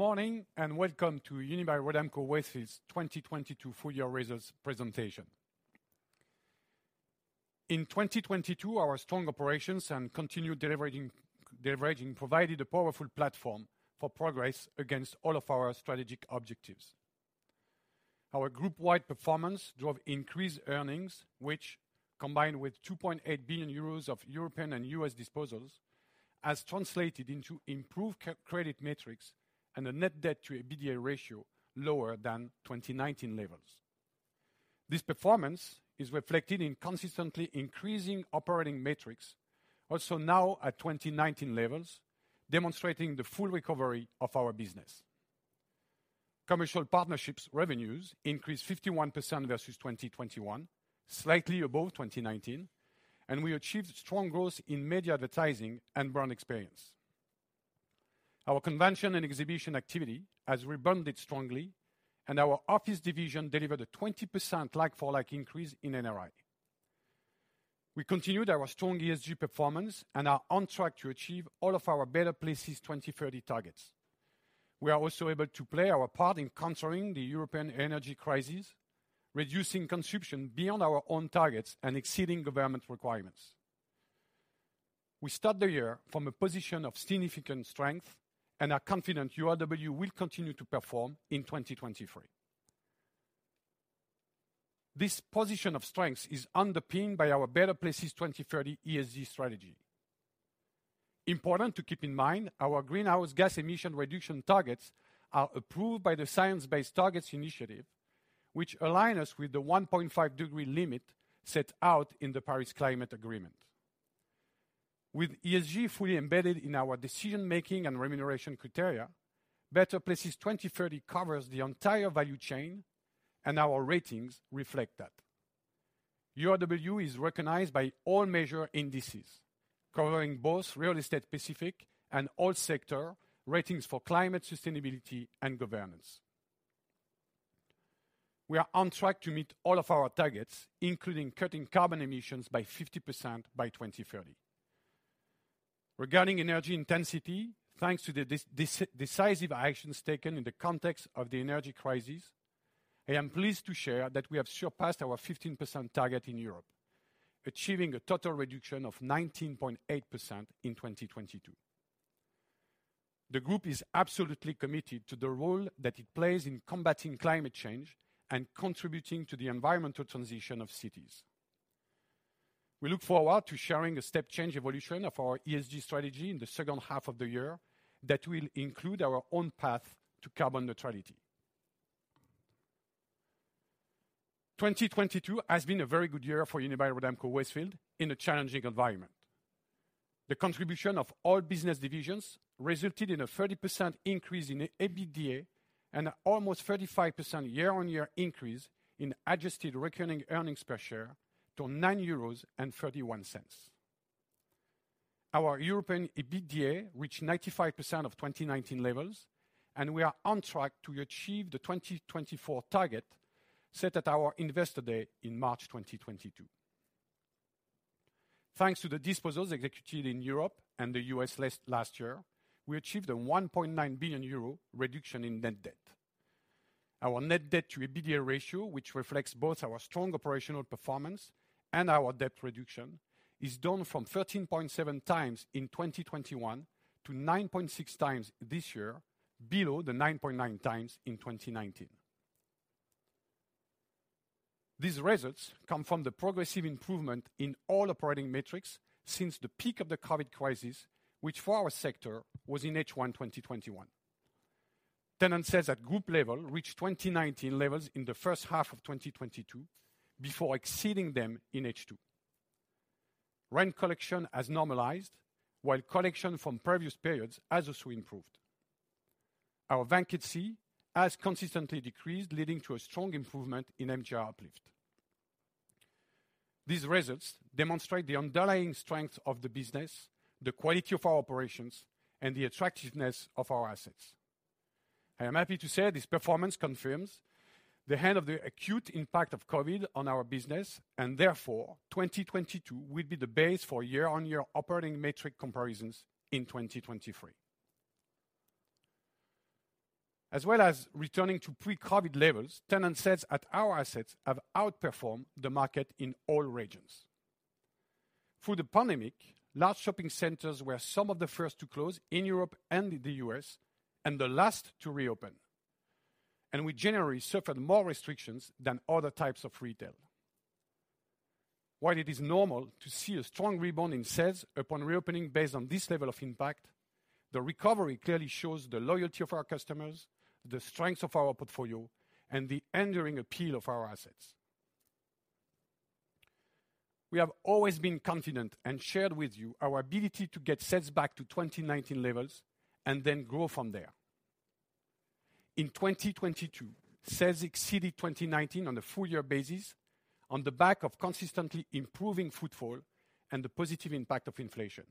Morning, welcome to Unibail-Rodamco-Westfield's 2022 full year results presentation. In 2022, our strong operations and continued deleveraging provided a powerful platform for progress against all of our strategic objectives. Our group-wide performance drove increased earnings, which combined with 2.8 billion euros of European and U.S. disposals, has translated into improved credit metrics and a net debt to EBITDA ratio lower than 2019 levels. This performance is reflected in consistently increasing operating metrics, also now at 2019 levels, demonstrating the full recovery of our business. Commercial partnerships revenues increased 51% versus 2021, slightly above 2019, we achieved strong growth in media advertising and brand experience. Our convention and exhibition activity has rebounded strongly, our office division delivered a 20% like-for-like increase in NRI. We continued our strong ESG performance and are on track to achieve all of our Better Places 2030 targets. We are also able to play our part in countering the European energy crisis, reducing consumption beyond our own targets and exceeding government requirements. We start the year from a position of significant strength and are confident URW will continue to perform in 2023. This position of strength is underpinned by our Better Places 2030 ESG strategy. Important to keep in mind, our greenhouse gas emission reduction targets are approved by the Science Based Targets initiative, which align us with the 1.5 degree limit set out in the Paris Agreement. With ESG fully embedded in our decision-making and remuneration criteria, Better Places 2030 covers the entire value chain, and our ratings reflect that. URW is recognized by all measure indices, covering both real estate specific and all sector ratings for climate sustainability and governance. We are on track to meet all of our targets, including cutting carbon emissions by 50% by 2030. Regarding energy intensity, thanks to the decisive actions taken in the context of the energy crisis, I am pleased to share that we have surpassed our 15% target in Europe, achieving a total reduction of 19.8% in 2022. The group is absolutely committed to the role that it plays in combating climate change and contributing to the environmental transition of cities. We look forward to sharing a step change evolution of our ESG strategy in the second half of the year that will include our own path to carbon neutrality. 2022 has been a very good year for Unibail-Rodamco-Westfield in a challenging environment. The contribution of all business divisions resulted in a 30% increase in the EBITDA and almost 35% year-on-year increase in Adjusted Recurring EPS to 9.31 euros. Our European EBITDA reached 95% of 2019 levels, and we are on track to achieve the 2024 target set at our Investor Day in March 2022. Thanks to the disposals executed in Europe and the U.S. last year, we achieved a 1.9 billion euro reduction in net debt. Our net debt to EBITDA ratio, which reflects both our strong operational performance and our debt reduction, is down from 13.7x in 2021 to 9.6x this year, below the 9.9x in 2019. These results come from the progressive improvement in all operating metrics since the peak of the COVID crisis, which for our sector was in H1 2021. Tenant sales at group level reached 2019 levels in the first half of 2022 before exceeding them in H2. Rent collection has normalized, while collection from previous periods has also improved. Our vacancy has consistently decreased, leading to a strong improvement in MGR uplift. These results demonstrate the underlying strength of the business, the quality of our operations, and the attractiveness of our assets. I am happy to say this performance confirms the end of the acute impact of COVID on our business, and therefore, 2022 will be the base for year-on-year operating metric comparisons in 2023. As well as returning to pre-COVID levels, tenant sales at our assets have outperformed the market in all regions. Through the pandemic, large shopping centers were some of the first to close in Europe and in the U.S. and the last to reopen. We generally suffered more restrictions than other types of retail. While it is normal to see a strong rebound in sales upon reopening based on this level of impact, the recovery clearly shows the loyalty of our customers, the strength of our portfolio, and the enduring appeal of our assets. We have always been confident and shared with you our ability to get sales back to 2019 levels and then grow from there. In 2022, sales exceeded 2019 on a full year basis on the back of consistently improving footfall and the positive impact of inflation.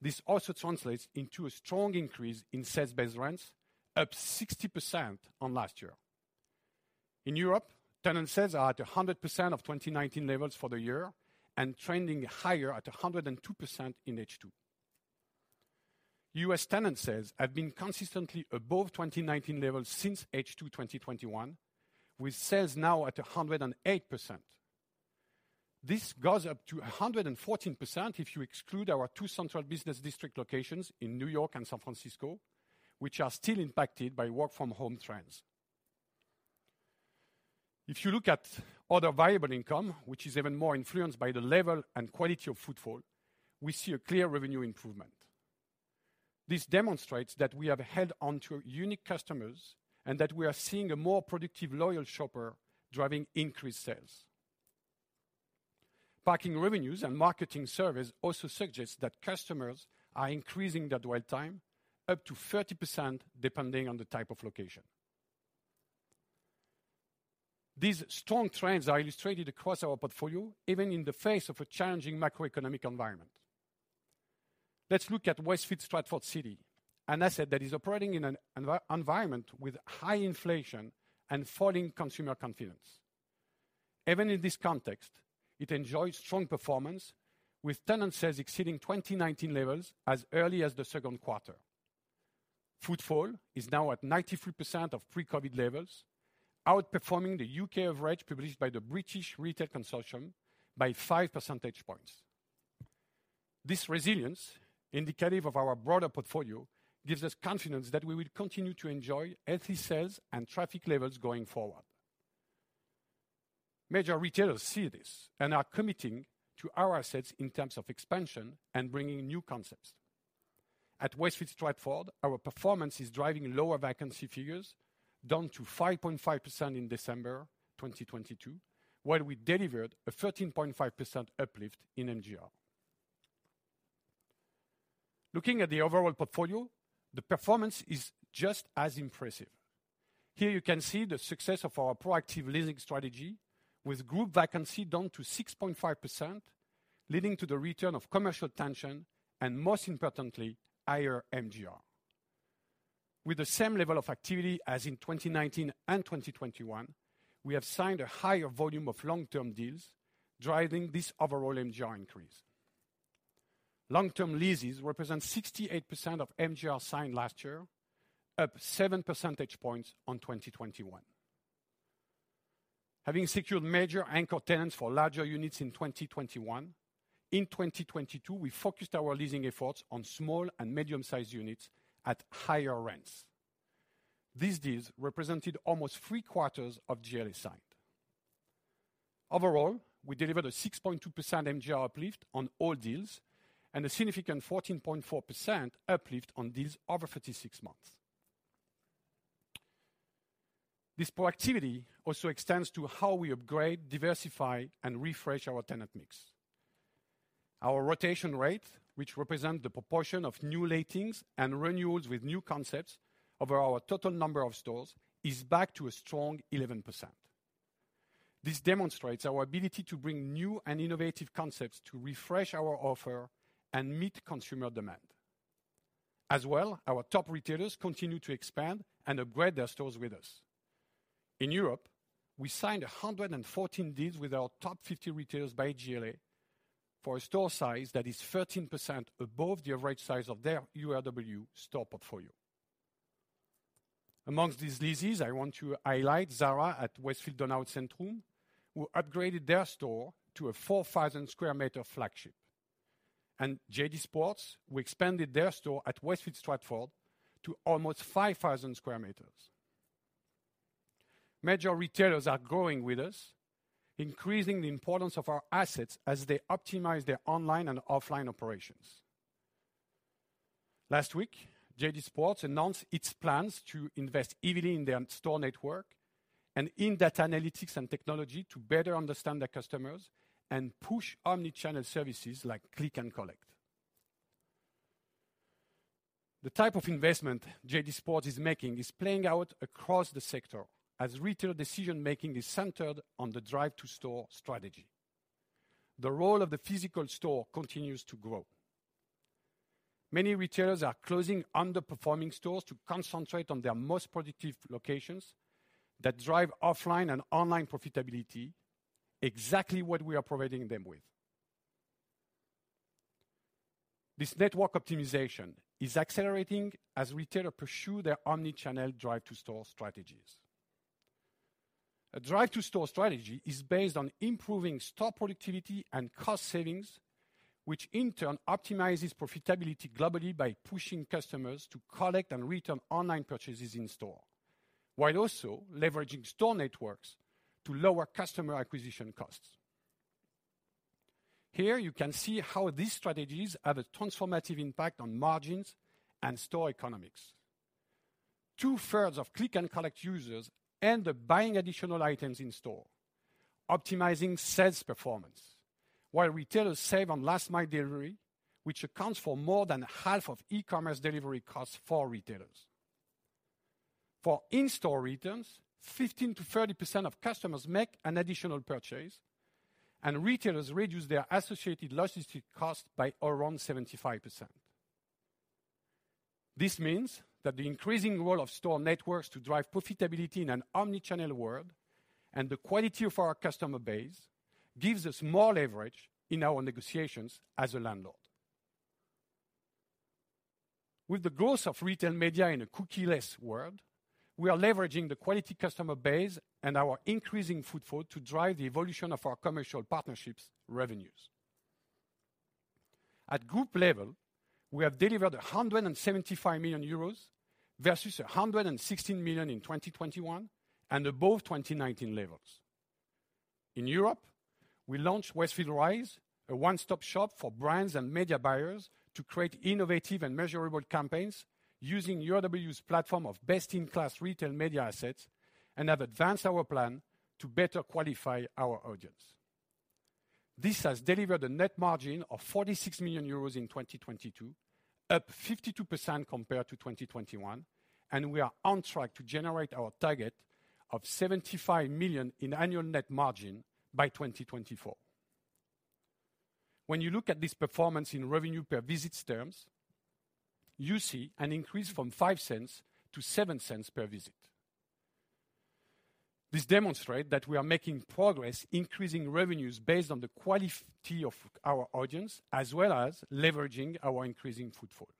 This also translates into a strong increase in sales-based rents, up 60% on last year. In Europe, tenant sales are at 100% of 2019 levels for the year and trending higher at 102% in H2. U.S. tenant sales have been consistently above 2019 levels since H2 2021, with sales now at 108%. This goes up to 114% if you exclude our two central business district locations in New York and San Francisco, which are still impacted by work from home trends. If you look at other viable income, which is even more influenced by the level and quality of footfall, we see a clear revenue improvement. This demonstrates that we have held onto unique customers and that we are seeing a more productive, loyal shopper driving increased sales. Parking revenues and marketing service also suggests that customers are increasing their dwell time up to 30% depending on the type of location. These strong trends are illustrated across our portfolio, even in the face of a challenging macroeconomic environment. Let's look at Westfield Stratford City, an asset that is operating in an environment with high inflation and falling consumer confidence. Even in this context, it enjoys strong performance with tenant sales exceeding 2019 levels as early as the second quarter. Footfall is now at 93% of pre-COVID levels, outperforming the U.K. average published by the British Retail Consortium by 5 percentage points. This resilience, indicative of our broader portfolio, gives us confidence that we will continue to enjoy healthy sales and traffic levels going forward. Major retailers see this and are committing to our assets in terms of expansion and bringing new concepts. At Westfield Stratford, our performance is driving lower vacancy figures down to 5.5% in December 2022, while we delivered a 13.5% uplift in MGR. Looking at the overall portfolio, the performance is just as impressive. Here you can see the success of our proactive leasing strategy with group vacancy down to 6.5%, leading to the return of commercial tension and most importantly, higher MGR. With the same level of activity as in 2019 and 2021, we have signed a higher volume of long-term deals driving this overall MGR increase. Long-term leases represent 68% of MGR signed last year, up 7 percentage points on 2021. Having secured major anchor tenants for larger units in 2021, in 2022, we focused our leasing efforts on small and medium-sized units at higher rents. These deals represented almost three-quarters of GLA signed. We delivered a 6.2% MGR uplift on all deals and a significant 14.4% uplift on deals over 36 months. This proactivity also extends to how we upgrade, diversify, and refresh our tenant mix. Our rotation rate, which represent the proportion of new lettings and renewals with new concepts over our total number of stores, is back to a strong 11%. This demonstrates our ability to bring new and innovative concepts to refresh our offer and meet consumer demand. Our top retailers continue to expand and upgrade their stores with us. In Europe, we signed 114 deals with our top 50 retailers by GLA for a store size that is 13% above the average size of their URW store portfolio. Amongst these leases, I want to highlight Zara at Westfield Donau Zentrum, who upgraded their store to a 4,000 sq m flagship, and JD Sports who expanded their store at Westfield Stratford to almost 5,000 sq m. Major retailers are growing with us, increasing the importance of our assets as they optimize their online and offline operations. Last week, JD Sports announced its plans to invest heavily in their store network and in data analytics and technology to better understand their customers and push omnichannel services like click and collect. The type of investment JD Sports is making is playing out across the sector as retail decision-making is centered on the drive to store strategy. The role of the physical store continues to grow. Many retailers are closing underperforming stores to concentrate on their most productive locations that drive offline and online profitability, exactly what we are providing them with. This network optimization is accelerating as retailers pursue their omnichannel drive to store strategies. A drive to store strategy is based on improving store productivity and cost savings, which in turn optimizes profitability globally by pushing customers to collect and return online purchases in store, while also leveraging store networks to lower customer acquisition costs. Here you can see how these strategies have a transformative impact on margins and store economics. 2/3 of click and collect users end up buying additional items in store, optimizing sales performance while retailers save on last-mile delivery, which accounts for more than half of e-commerce delivery costs for retailers. For in-store returns, 15%-30% of customers make an additional purchase, retailers reduce their associated logistic cost by around 75%. This means that the increasing role of store networks to drive profitability in an omnichannel world and the quality of our customer base gives us more leverage in our negotiations as a landlord. With the growth of retail media in a cookieless world, we are leveraging the quality customer base and our increasing footfall to drive the evolution of our commercial partnerships revenues. At group level, we have delivered 175 million euros versus 116 million in 2021 and above 2019 levels. In Europe, we launched Westfield Rise, a one-stop shop for brands and media buyers to create innovative and measurable campaigns using URW's platform of best-in-class retail media assets and have advanced our plan to better qualify our audience. This has delivered a net margin of 46 million euros in 2022, up 52% compared to 2021. We are on track to generate our target of 75 million in annual net margin by 2024. When you look at this performance in revenue per visit terms, you see an increase from 0.05-0.07 per visit. This demonstrate that we are making progress increasing revenues based on the quality of our audience, as well as leveraging our increasing footfall.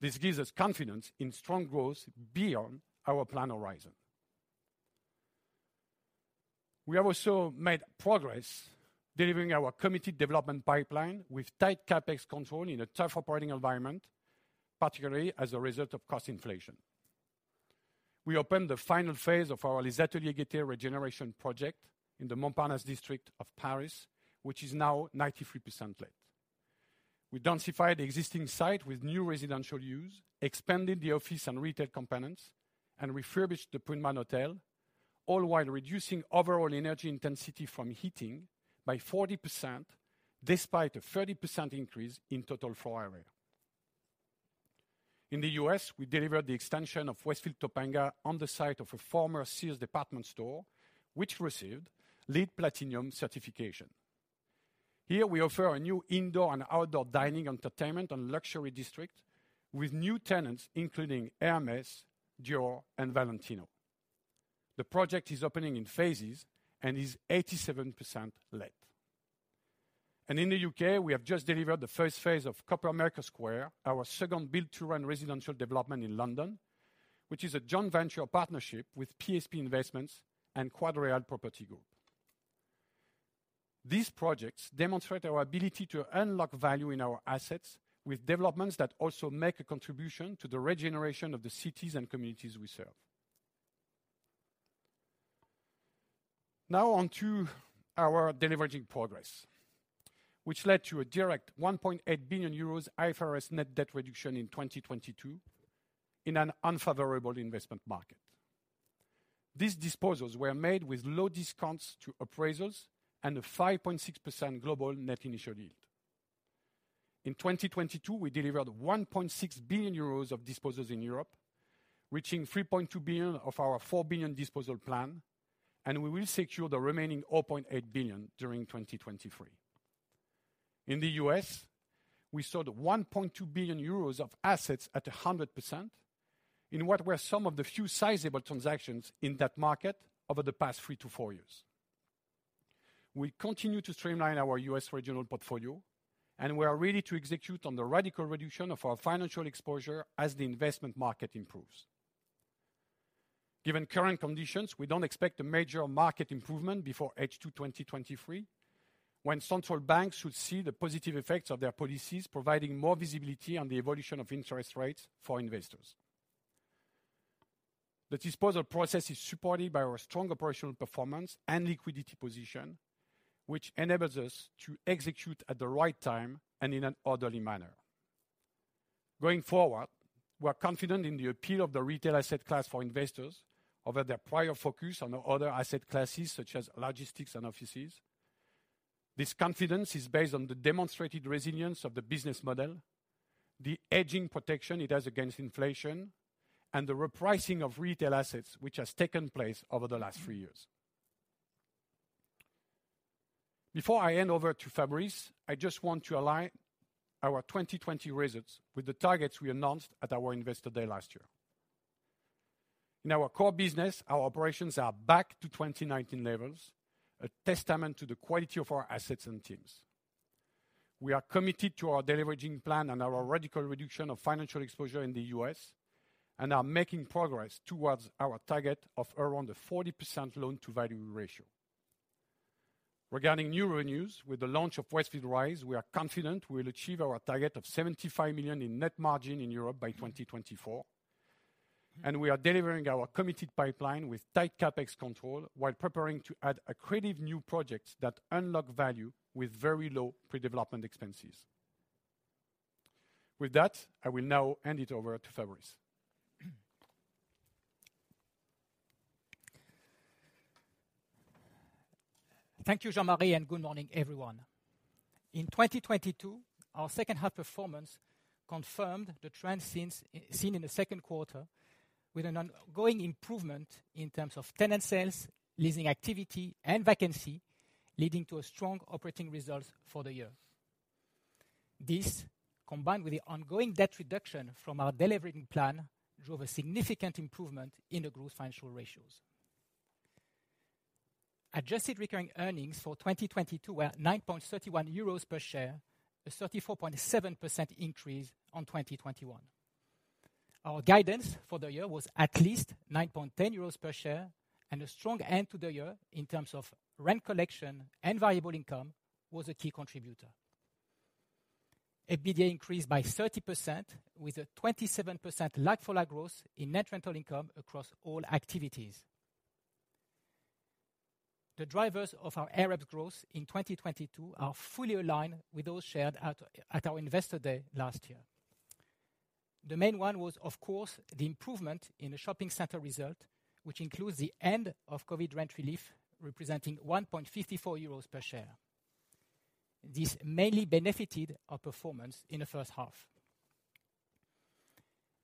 This gives us confidence in strong growth beyond our plan horizon. We have also made progress delivering our committed development pipeline with tight CapEx control in a tough operating environment, particularly as a result of cost inflation. We opened the final phase of our Les Ateliers Gaîté regeneration project in the Montparnasse district of Paris, which is now 93% let. We densified the existing site with new residential use, expanded the office and retail components, and refurbished the Pullman Hotel, all while reducing overall energy intensity from heating by 40% despite a 30% increase in total floor area. In the U.S., we delivered the extension of Westfield Topanga on the site of a former Sears department store, which received LEED Platinum certification. Here, we offer a new indoor and outdoor dining, entertainment, and luxury district with new tenants, including Hermès, Dior, and Valentino. The project is opening in phases and is 87% let. In the U.K., we have just delivered the first phase of Coppermaker Square, our second build-to-rent residential development in London, which is a joint venture partnership with PSP Investments and QuadReal Property Group. These projects demonstrate our ability to unlock value in our assets with developments that also make a contribution to the regeneration of the cities and communities we serve. Now on to our deleveraging progress, which led to a direct 1.8 billion euros IFRS net debt reduction in 2022 in an unfavorable investment market. These disposals were made with low discounts to appraisers and a 5.6% global net initial yield. In 2022, we delivered 1.6 billion euros of disposals in Europe, reaching 3.2 billion of our 4 billion disposal plan, and we will secure the remaining 0.8 billion during 2023. In the U.S., we sold 1.2 billion euros of assets at 100% in what were some of the few sizable transactions in that market over the past three to four years. We continue to streamline our U.S. regional portfolio, and we are ready to execute on the radical reduction of our financial exposure as the investment market improves. Given current conditions, we don't expect a major market improvement before H2 2023, when central banks should see the positive effects of their policies, providing more visibility on the evolution of interest rates for investors. The disposal process is supported by our strong operational performance and liquidity position, which enables us to execute at the right time and in an orderly manner. Going forward, we are confident in the appeal of the retail asset class for investors over their prior focus on other asset classes such as logistics and offices. This confidence is based on the demonstrated resilience of the business model, the edging protection it has against inflation, and the repricing of retail assets, which has taken place over the last three years. Before I hand over to Fabrice, I just want to align our 2020 results with the targets we announced at our Investor Day last year. In our core business, our operations are back to 2019 levels, a testament to the quality of our assets and teams. We are committed to our deleveraging plan and our radical reduction of financial exposure in the U.S. and are making progress towards our target of around a 40% loan-to-value ratio. Regarding new revenues, with the launch of Westfield Rise, we are confident we will achieve our target of 75 million in net margin in Europe by 2024, and we are delivering our committed pipeline with tight CapEx control while preparing to add accretive new projects that unlock value with very low pre-development expenses. With that, I will now hand it over to Fabrice. Thank you, Jean-Marie, and good morning, everyone. In 2022, our second half performance confirmed the trend seen in the second quarter with an ongoing improvement in terms of tenant sales, leasing activity and vacancy. Leading to a strong operating result for the year. This, combined with the ongoing debt reduction from our de-leveraging plan, drove a significant improvement in the group's financial ratios. Adjusted recurring earnings for 2022 were 9.31 euros per share, a 34.7% increase on 2021. Our guidance for the year was at least 9.10 euros per share and a strong end to the year in terms of rent collection and variable income was a key contributor. EBITDA increased by 30% with a 27% like-for-like growth in net rental income across all activities. The drivers of our AREP growth in 2022 are fully aligned with those shared at our Investor Day last year. The main one was, of course, the improvement in the shopping center result, which includes the end of COVID rent relief, representing 1.54 euros per share. This mainly benefited our performance in the first half.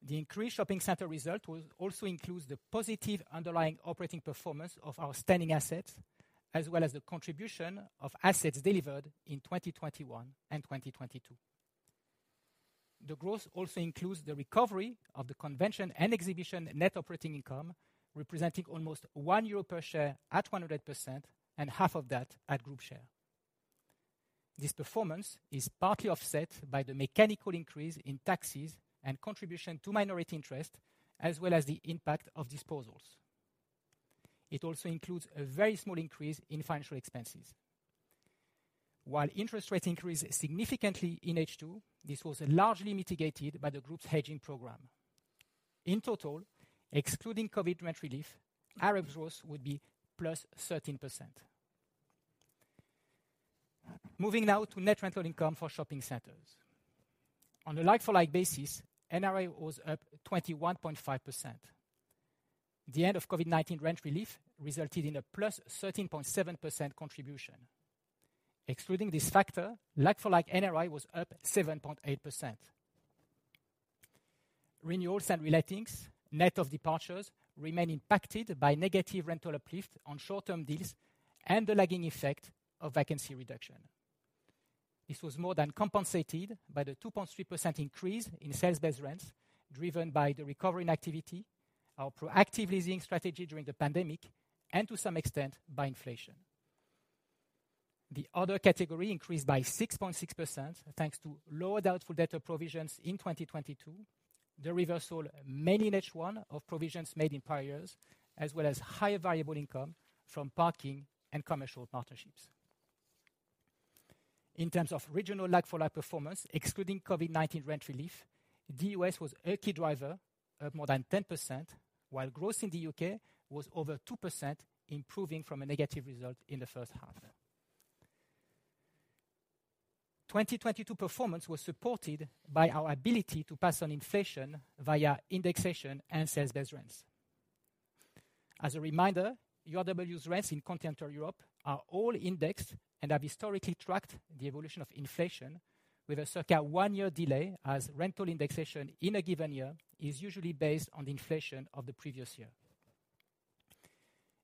The increased shopping center result will also includes the positive underlying operating performance of our standing assets, as well as the contribution of assets delivered in 2021 and 2022. The growth also includes the recovery of the Convention & Exhibition net operating income, representing almost 1 euro per share at 100% and half of that at group share. This performance is partly offset by the mechanical increase in taxes and contribution to minority interest, as well as the impact of disposals. It also includes a very small increase in financial expenses. While interest rates increased significantly in H2, this was largely mitigated by the group's hedging program. In total, excluding COVID rent relief, AREP growth would be +13%. Moving now to net rental income for shopping centers. On a like-for-like basis, NRI was up 21.5%. The end of COVID-19 rent relief resulted in a +13.7% contribution. Excluding this factor, like-for-like NRI was up 7.8%. Renewals and relettings, net of departures, remain impacted by negative rental uplift on short-term deals and the lagging effect of vacancy reduction. This was more than compensated by the 2.3% increase in sales-based rents, driven by the recovery in activity, our proactive leasing strategy during the pandemic, and to some extent, by inflation. The other category increased by 6.6%, thanks to lower doubtful debtor provisions in 2022, the reversal mainly in H1 of provisions made in prior years, as well as higher variable income from parking and commercial partnerships. In terms of regional like-for-like performance, excluding COVID rent relief, the U.S. was a key driver of more than 10%, while growth in the U.K. was over 2%, improving from a negative result in the first half. 2022 performance was supported by our ability to pass on inflation via indexation and sales-based rents. As a reminder, URW's rents in Continental Europe are all indexed and have historically tracked the evolution of inflation with a circa one-year delay as rental indexation in a given year is usually based on the inflation of the previous year.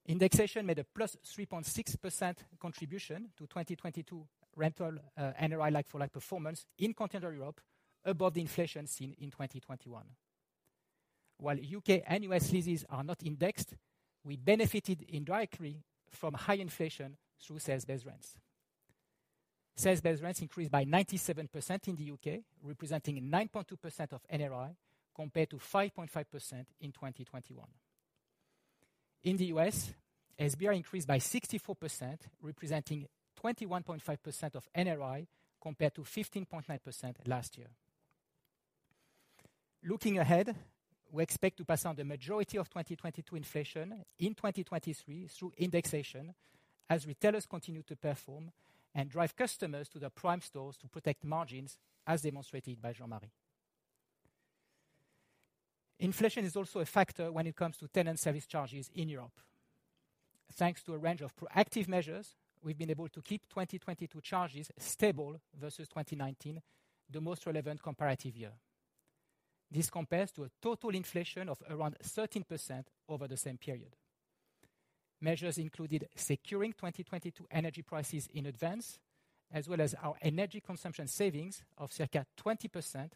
Indexation made a +3.6% contribution to 2022 rental NRI like-for-like performance in Continental Europe above the inflation seen in 2021. While U.K. and U.S. leases are not indexed, we benefited indirectly from high inflation through sales-based rents. Sales-based rents increased by 97% in the U.K., representing 9.2% of NRI, compared to 5.5% in 2021. In the U.S., SBR increased by 64%, representing 21.5% of NRI, compared to 15.9% last year. Looking ahead, we expect to pass on the majority of 2022 inflation in 2023 through indexation as retailers continue to perform and drive customers to their prime stores to protect margins, as demonstrated by Jean-Marie. Inflation is also a factor when it comes to tenant service charges in Europe. Thanks to a range of proactive measures, we've been able to keep 2022 charges stable versus 2019, the most relevant comparative year. This compares to a total inflation of around 13% over the same period. Measures included securing 2022 energy prices in advance, as well as our energy consumption savings of circa 20%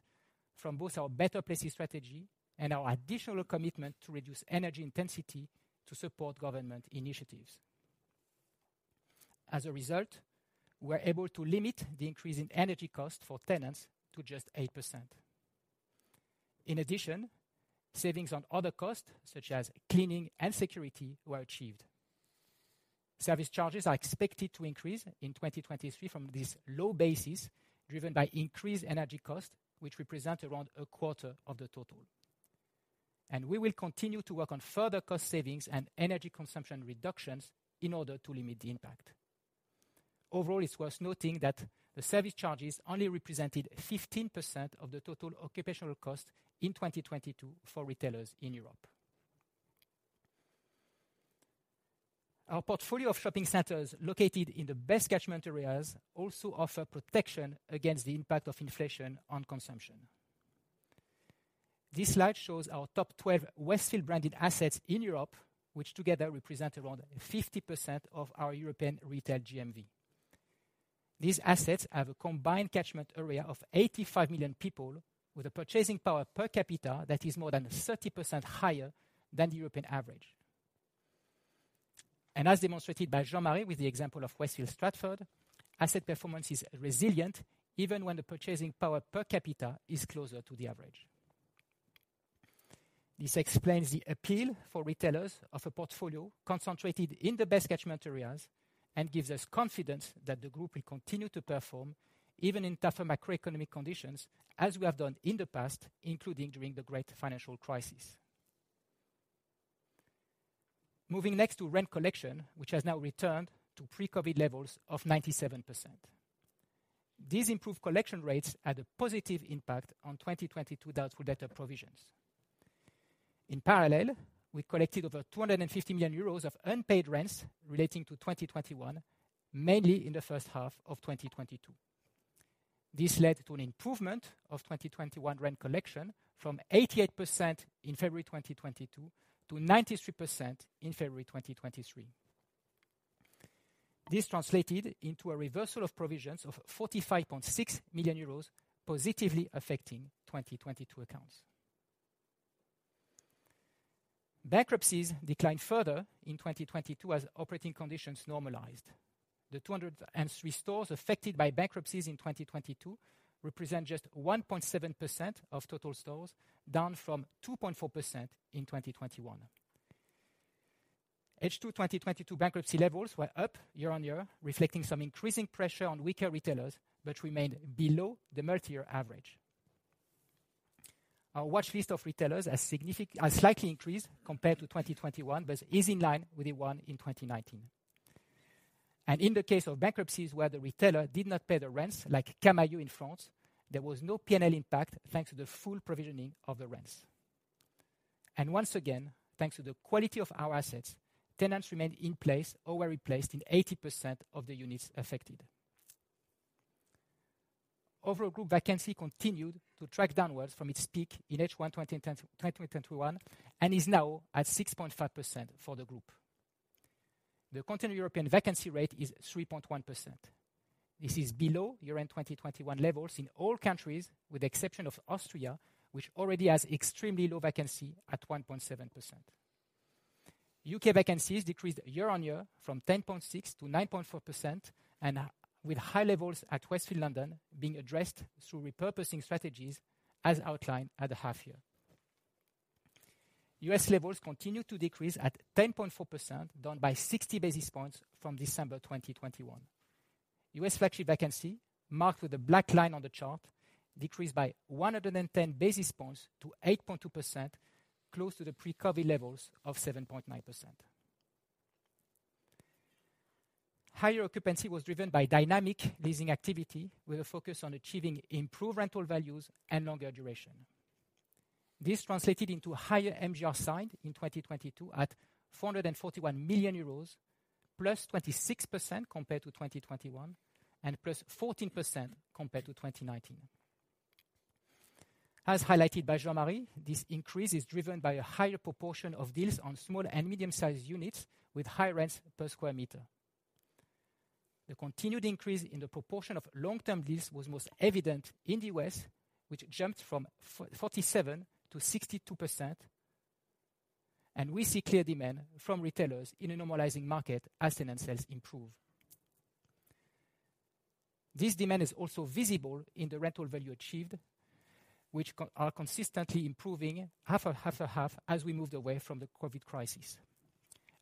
from both our better pricing strategy and our additional commitment to reduce energy intensity to support government initiatives. We're able to limit the increase in energy costs for tenants to just 8%. Savings on other costs, such as cleaning and security, were achieved. Service charges are expected to increase in 2023 from this low basis, driven by increased energy costs, which represent around a quarter of the total. We will continue to work on further cost savings and energy consumption reductions in order to limit the impact. Overall, it's worth noting that the service charges only represented 15% of the total occupational cost in 2022 for retailers in Europe. Our portfolio of shopping centers located in the best catchment areas also offer protection against the impact of inflation on consumption. This slide shows our top 12 Westfield-branded assets in Europe, which together represent around 50% of our European retail GMV. These assets have a combined catchment area of 85 million people with a purchasing power per capita that is more than 30% higher than the European average. As demonstrated by Jean-Marie with the example of Westfield Stratford, asset performance is resilient even when the purchasing power per capita is closer to the average. This explains the appeal for retailers of a portfolio concentrated in the best catchment areas and gives us confidence that the group will continue to perform even in tougher macroeconomic conditions, as we have done in the past, including during the great financial crisis. Moving next to rent collection, which has now returned to pre-COVID levels of 97%. These improved collection rates had a positive impact on 2022 doubtful debtor provisions. In parallel, we collected over 250 million euros of unpaid rents relating to 2021, mainly in the first half of 2022. This led to an improvement of 2021 rent collection from 88% in February 2022 to 93% in February 2023. This translated into a reversal of provisions of 45.6 million euros, positively affecting 2022 accounts. Bankruptcies declined further in 2022 as operating conditions normalized. The 203 stores affected by bankruptcies in 2022 represent just 1.7% of total stores, down from 2.4% in 2021. H2 2022 bankruptcy levels were up year-over-year, reflecting some increasing pressure on weaker retailers, but remained below the multi-year average. Our watch list of retailers has slightly increased compared to 2021, but is in line with the one in 2019. In the case of bankruptcies where the retailer did not pay the rents, like Camaïeu in France, there was no P&L impact thanks to the full provisioning of the rents. Once again, thanks to the quality of our assets, tenants remained in place or were replaced in 80% of the units affected. Overall group vacancy continued to track downwards from its peak in H1 2021 and is now at 6.5% for the group. The Continental European vacancy rate is 3.1%. This is below year-end 2021 levels in all countries with the exception of Austria, which already has extremely low vacancy at 1.7%. U.K. vacancies decreased year-over-year from 10.6%-9.4% and are with high levels at Westfield London being addressed through repurposing strategies as outlined at the half year. U.S. levels continue to decrease at 10.4%, down by 60 basis points from December 2021. U.S. flagship vacancy, marked with a black line on the chart, decreased by 110 basis points to 8.2%, close to the pre-COVID levels of 7.9%. Higher occupancy was driven by dynamic leasing activity with a focus on achieving improved rental values and longer duration. This translated into higher MGR signed in 2022 at 441 million euros +26% compared to 2021 and +14% compared to 2019. As highlighted by Jean-Marie, this increase is driven by a higher proportion of deals on small and medium-sized units with high rents per square meter. The continued increase in the proportion of long-term deals was most evident in the U.S., which jumped from 47% to 62%. We see clear demand from retailers in a normalizing market as tenant sales improve. This demand is also visible in the rental value achieved, which are consistently improving half a half as we moved away from the COVID crisis.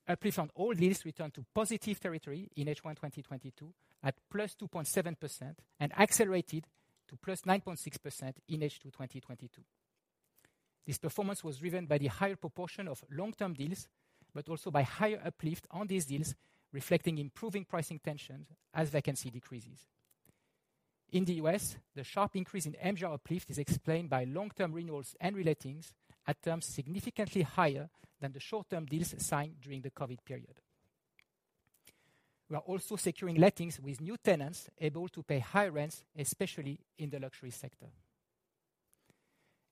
Uplift on all deals returned to positive territory in H1 2022 at +2.7% and accelerated to +9.6% in H2 2022. This performance was driven by the higher proportion of long-term deals, but also by higher uplift on these deals, reflecting improving pricing tensions as vacancy decreases. In the U.S., the sharp increase in MGR uplift is explained by long-term renewals and relatings at terms significantly higher than the short-term deals signed during the COVID period. We are also securing lettings with new tenants able to pay higher rents, especially in the luxury sector.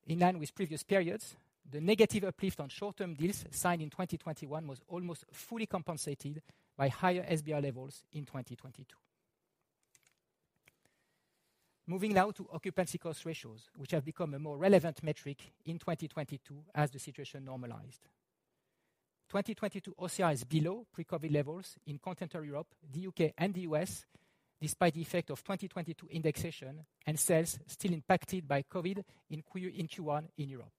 In line with previous periods, the negative uplift on short-term deals signed in 2021 was almost fully compensated by higher SBR levels in 2022. Moving now to occupancy cost ratios, which have become a more relevant metric in 2022 as the situation normalized. 2022 OCR is below pre-COVID levels in Continental Europe, the U.K., and the U.S., despite the effect of 2022 indexation and sales still impacted by COVID in Q1 in Europe.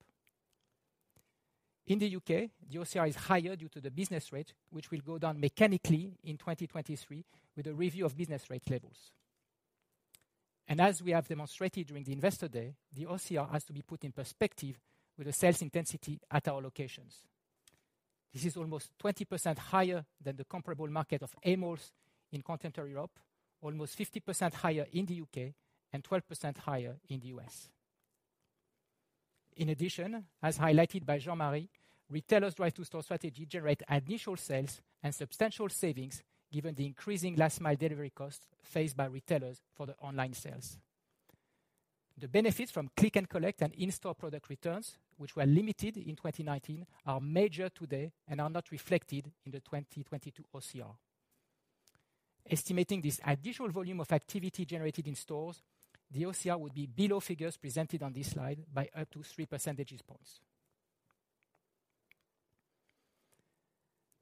In the U.K., the OCR is higher due to the business rates, which will go down mechanically in 2023 with a review of business rates levels. As we have demonstrated during the Investor Day, the OCR has to be put in perspective with the sales intensity at our locations. This is almost 20% higher than the comparable market of AMORs in Continental Europe, almost 50% higher in the U.K., and 12% higher in the U.S. In addition, as highlighted by Jean-Marie, retailers drive to store strategy generate additional sales and substantial savings given the increasing last-mile delivery costs faced by retailers for the online sales. The benefits from click and collect and in-store product returns, which were limited in 2019, are major today and are not reflected in the 2022 OCR. Estimating this additional volume of activity generated in stores, the OCR would be below figures presented on this slide by up to three percentage points.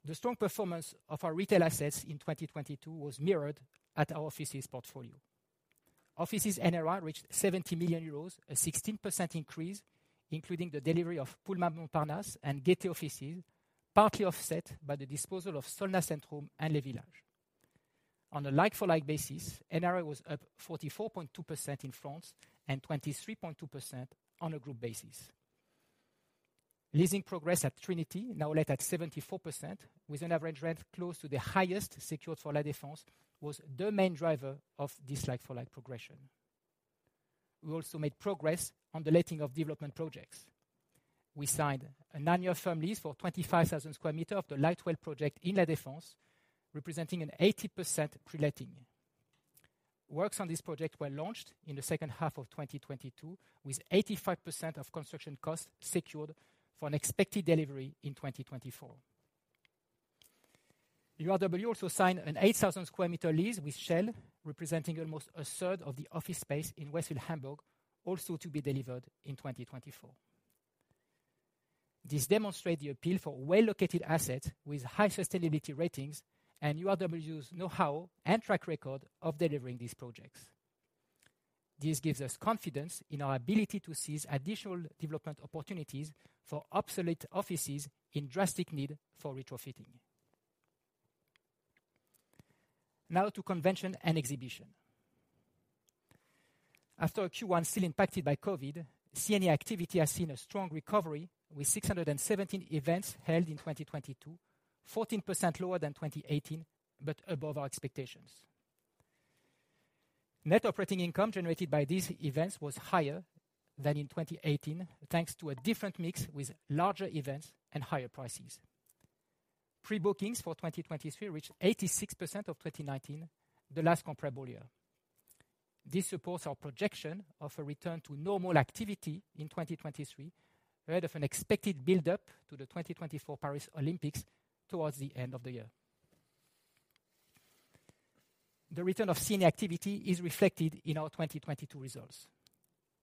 The strong performance of our retail assets in 2022 was mirrored at our offices portfolio. Offices NRI reached 70 million euros, a 16% increase, including the delivery of Pullman Montparnasse and Gaîté offices, partly offset by the disposal of Solna Centrum and Le Village. On a like-for-like basis, NRI was up 44.2% in France and 23.2% on a group basis. Leasing progress at Trinity, now let at 74% with an average rent close to the highest secured for La Défense, was the main driver of this like-for-like progression. We also made progress on the letting of development projects. We signed a nine-year firm lease for 25,000 sq m of the Lightwell project in La Défense, representing an 80% pre-letting. Works on this project were launched in the second half of 2022, with 85% of construction costs secured for an expected delivery in 2024. URW also signed an 8,000 sq m lease with Shell, representing almost a third of the office space in Westfield, Hamburg, also to be delivered in 2024. This demonstrate the appeal for well-located assets with high sustainability ratings and URW's know-how and track record of delivering these projects. This gives us confidence in our ability to seize additional development opportunities for obsolete offices in drastic need for retrofitting. To convention and exhibition. After a Q1 still impacted by COVID, C&E activity has seen a strong recovery with 617 events held in 2022, 14% lower than 2018, above our expectations. Net operating income generated by these events was higher than in 2018, thanks to a different mix with larger events and higher prices. Pre-bookings for 2023 reached 86% of 2019, the last comparable year. This supports our projection of a return to normal activity in 2023 ahead of an expected build-up to the 2024 Paris Olympics towards the end of the year. The return of C&E activity is reflected in our 2022 results.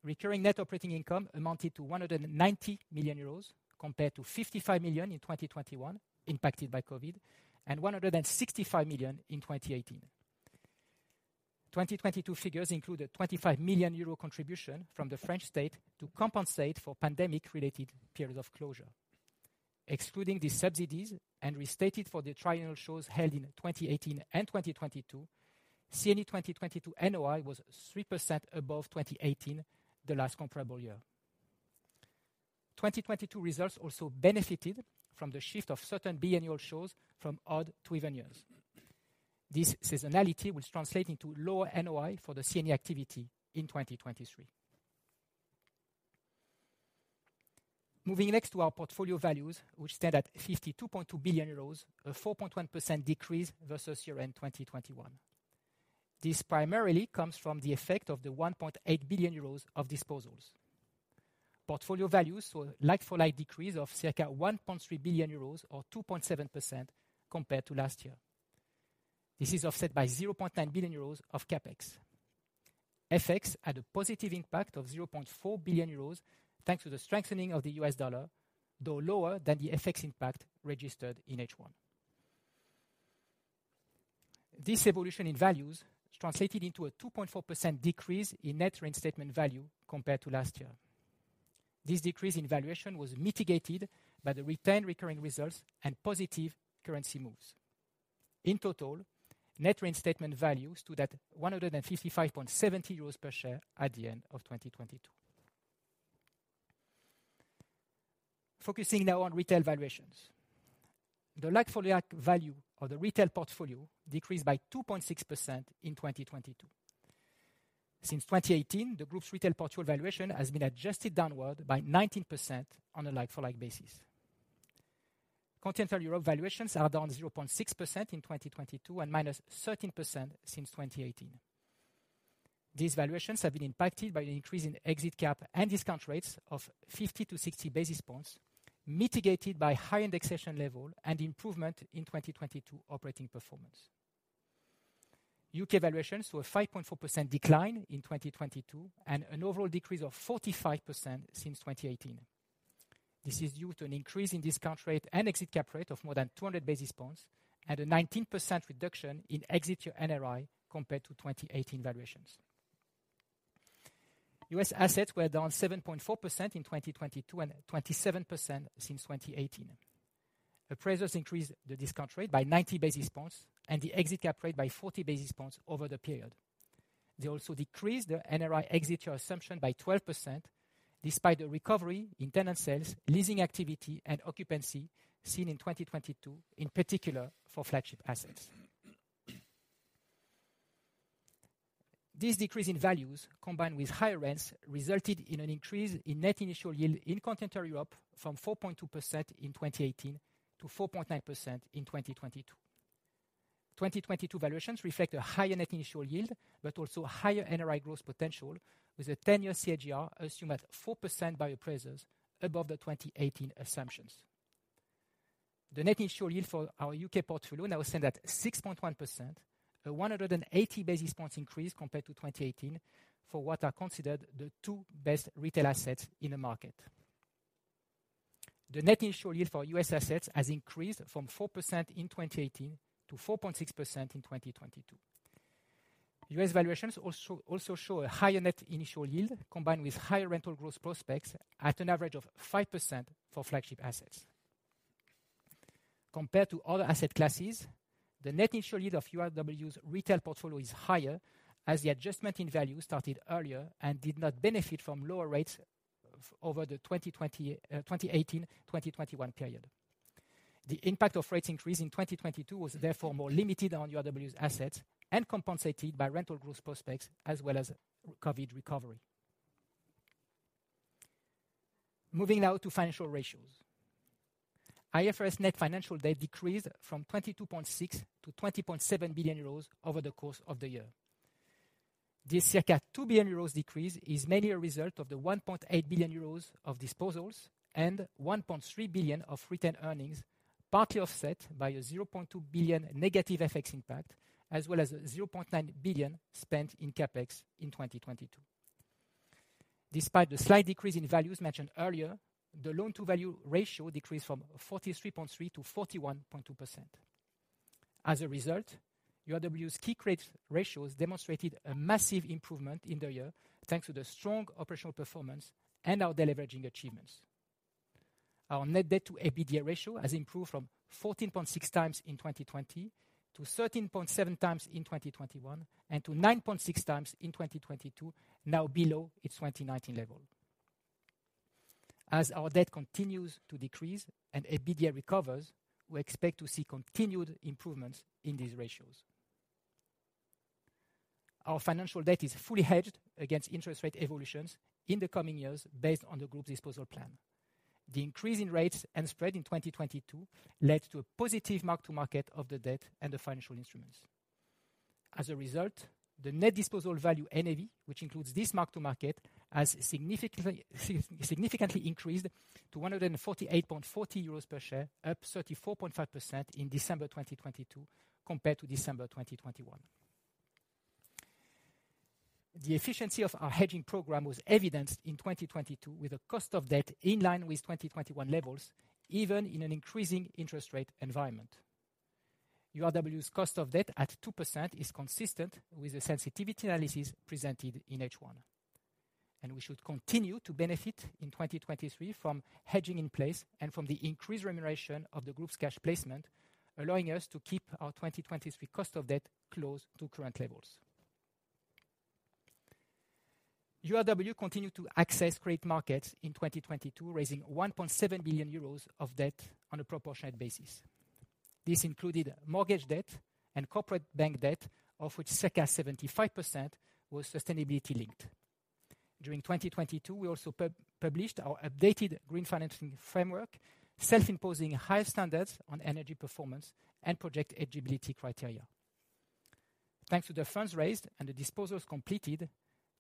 Recurring net operating income amounted to 190 million euros compared to 55 million in 2021, impacted by COVID, and 165 million in 2018. 2022 figures include a 25 million euro contribution from the French state to compensate for pandemic-related periods of closure. Excluding these subsidies and restated for the triennial shows held in 2018 and 2022, C&E 2022 NOI was 3% above 2018, the last comparable year. 2022 results also benefited from the shift of certain biannual shows from odd to even years. This seasonality will translate into lower NOI for the C&E activity in 2023. Moving next to our portfolio values, which stand at 52.2 billion euros, a 4.1% decrease versus year-end 2021. This primarily comes from the effect of the 1.8 billion euros of disposals. Portfolio values saw a like-for-like decrease of circa 1.3 billion euros or 2.7% compared to last year. This is offset by 0.9 billion euros of CapEx. FX had a positive impact of 0.4 billion euros, thanks to the strengthening of the U.S. dollar, though lower than the FX impact registered in H1. This evolution in values translated into a 2.4% decrease in net reinstatement value compared to last year. This decrease in valuation was mitigated by the retained recurring results and positive currency moves. In total, net reinstatement value stood at 155.70 euros per share at the end of 2022. Focusing now on retail valuations. The like-for-like value of the retail portfolio decreased by 2.6% in 2022. Since 2018, the group's retail portfolio valuation has been adjusted downward by 19% on a like-for-like basis. Continental Europe valuations are down 0.6% in 2022 and -13% since 2018. These valuations have been impacted by an increase in exit cap and discount rates of 50-60 basis points, mitigated by high indexation level and improvement in 2022 operating performance. U.K. valuations saw a 5.4% decline in 2022 and an overall decrease of 45% since 2018. This is due to an increase in discount rate and exit cap rate of more than 200 basis points and a 19% reduction in exit year NRI compared to 2018 valuations. U.S. assets were down 7.4% in 2022 and 27% since 2018. Appraisers increased the discount rate by 90 basis points and the exit cap rate by 40 basis points over the period. They also decreased their NRI exit year assumption by 12%, despite the recovery in tenant sales, leasing activity, and occupancy seen in 2022, in particular for flagship assets. This decrease in values, combined with higher rents, resulted in an increase in net initial yield in Continental Europe from 4.2% in 2018 to 4.9% in 2022. 2022 valuations reflect a higher net initial yield, but also higher NRI growth potential with a 10-year CAGR assumed at 4% by appraisers above the 2018 assumptions. The net initial yield for our U.K. portfolio now stand at 6.1%, a 180 basis points increase compared to 2018 for what are considered the two best retail assets in the market. The net initial yield for U.S. assets has increased from 4% in 2018 to 4.6% in 2022. U.S. valuations also show a higher net initial yield, combined with higher rental growth prospects at an average of 5% for flagship assets. Compared to other asset classes, the net initial yield of URW's retail portfolio is higher as the adjustment in value started earlier and did not benefit from lower rates over the 2020, 2018, 2021 period. The impact of rates increase in 2022 was therefore more limited on URW's assets and compensated by rental growth prospects as well as COVID recovery. Moving now to financial ratios. IFRS net financial debt decreased from 22.6 billion to 20.7 billion euros over the course of the year. This circa 2 billion euros decrease is mainly a result of the 1.8 billion euros of disposals and 1.3 billion of retained earnings, partly offset by a 0.2 billion negative FX impact, as well as a 0.9 billion spent in CapEx in 2022. Despite the slight decrease in values mentioned earlier, the loan-to-value ratio decreased from 43.3% to 41.2%. As a result, URW's key credit ratios demonstrated a massive improvement in the year, thanks to the strong operational performance and our deleveraging achievements. Our net debt to EBITDA ratio has improved from 14.6x in 2020 to 13.7x in 2021 and to 9.6x in 2022, now below its 2019 level. As our debt continues to decrease and EBITDA recovers, we expect to see continued improvements in these ratios. Our financial debt is fully hedged against interest rate evolutions in the coming years based on the group's disposal plan. The increase in rates and spread in 2022 led to a positive mark-to-market of the debt and the financial instruments. As a result, the net disposal value, NAV, which includes this mark-to-market, has significantly increased to 148.40 euros per share, up 34.5% in December 2022 compared to December 2021. The efficiency of our hedging program was evidenced in 2022 with a cost of debt in line with 2021 levels, even in an increasing interest rate environment. URW's cost of debt at 2% is consistent with the sensitivity analysis presented in H1. We should continue to benefit in 2023 from hedging in place and from the increased remuneration of the group's cash placement, allowing us to keep our 2023 cost of debt close to current levels. URW continued to access credit markets in 2022, raising 1.7 billion euros of debt on a proportionate basis. This included mortgage debt and corporate bank debt, of which circa 75% was sustainability-linked. During 2022, we also published our updated Green Financing Framework, self-imposing higher standards on energy performance and project eligibility criteria. Thanks to the funds raised and the disposals completed,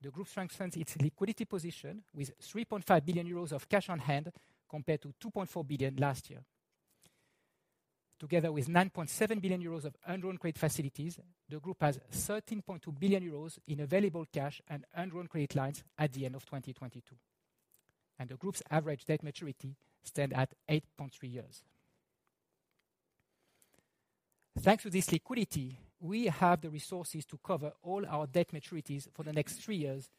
the group strengthens its liquidity position with 3.5 billion euros of cash on hand compared to 2.4 billion last year. Together with 9.7 billion euros of undrawn credit facilities, the group has 13.2 billion euros in available cash and undrawn credit lines at the end of 2022. The group's average debt maturity stand at 8.3 years. Thanks to this liquidity, we have the resources to cover all our debt maturities for the next three years,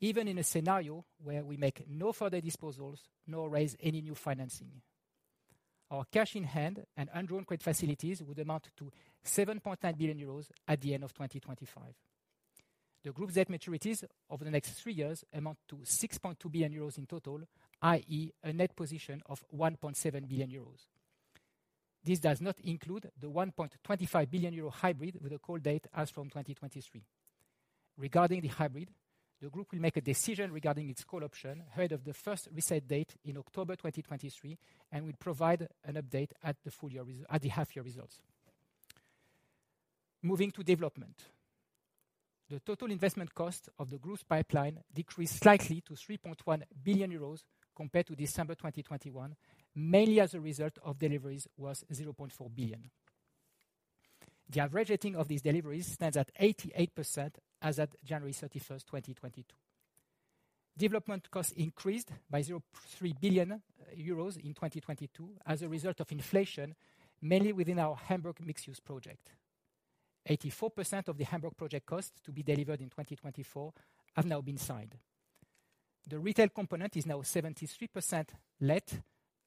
even in a scenario where we make no further disposals nor raise any new financing. Our cash in hand and undrawn credit facilities would amount to 7.9 billion euros at the end of 2025. The group's debt maturities over the next three years amount to 6.2 billion euros in total, i.e., a net position of 1.7 billion euros. This does not include the 1.25 billion euro hybrid with a call date as from 2023. Regarding the hybrid, the group will make a decision regarding its call option ahead of the first reset date in October 2023 and will provide an update at the half year results. Moving to development. The total investment cost of the group's pipeline decreased slightly to 3.1 billion euros compared to December 2021, mainly as a result of deliveries was 0.4 billion. The averaging of these deliveries stands at 88% as at January 31st, 2022. Development costs increased by 0.3 billion euros in 2022 as a result of inflation, mainly within our Hamburg mixed-use project. 84% of the Hamburg project costs to be delivered in 2024 have now been signed. The retail component is now 73% let,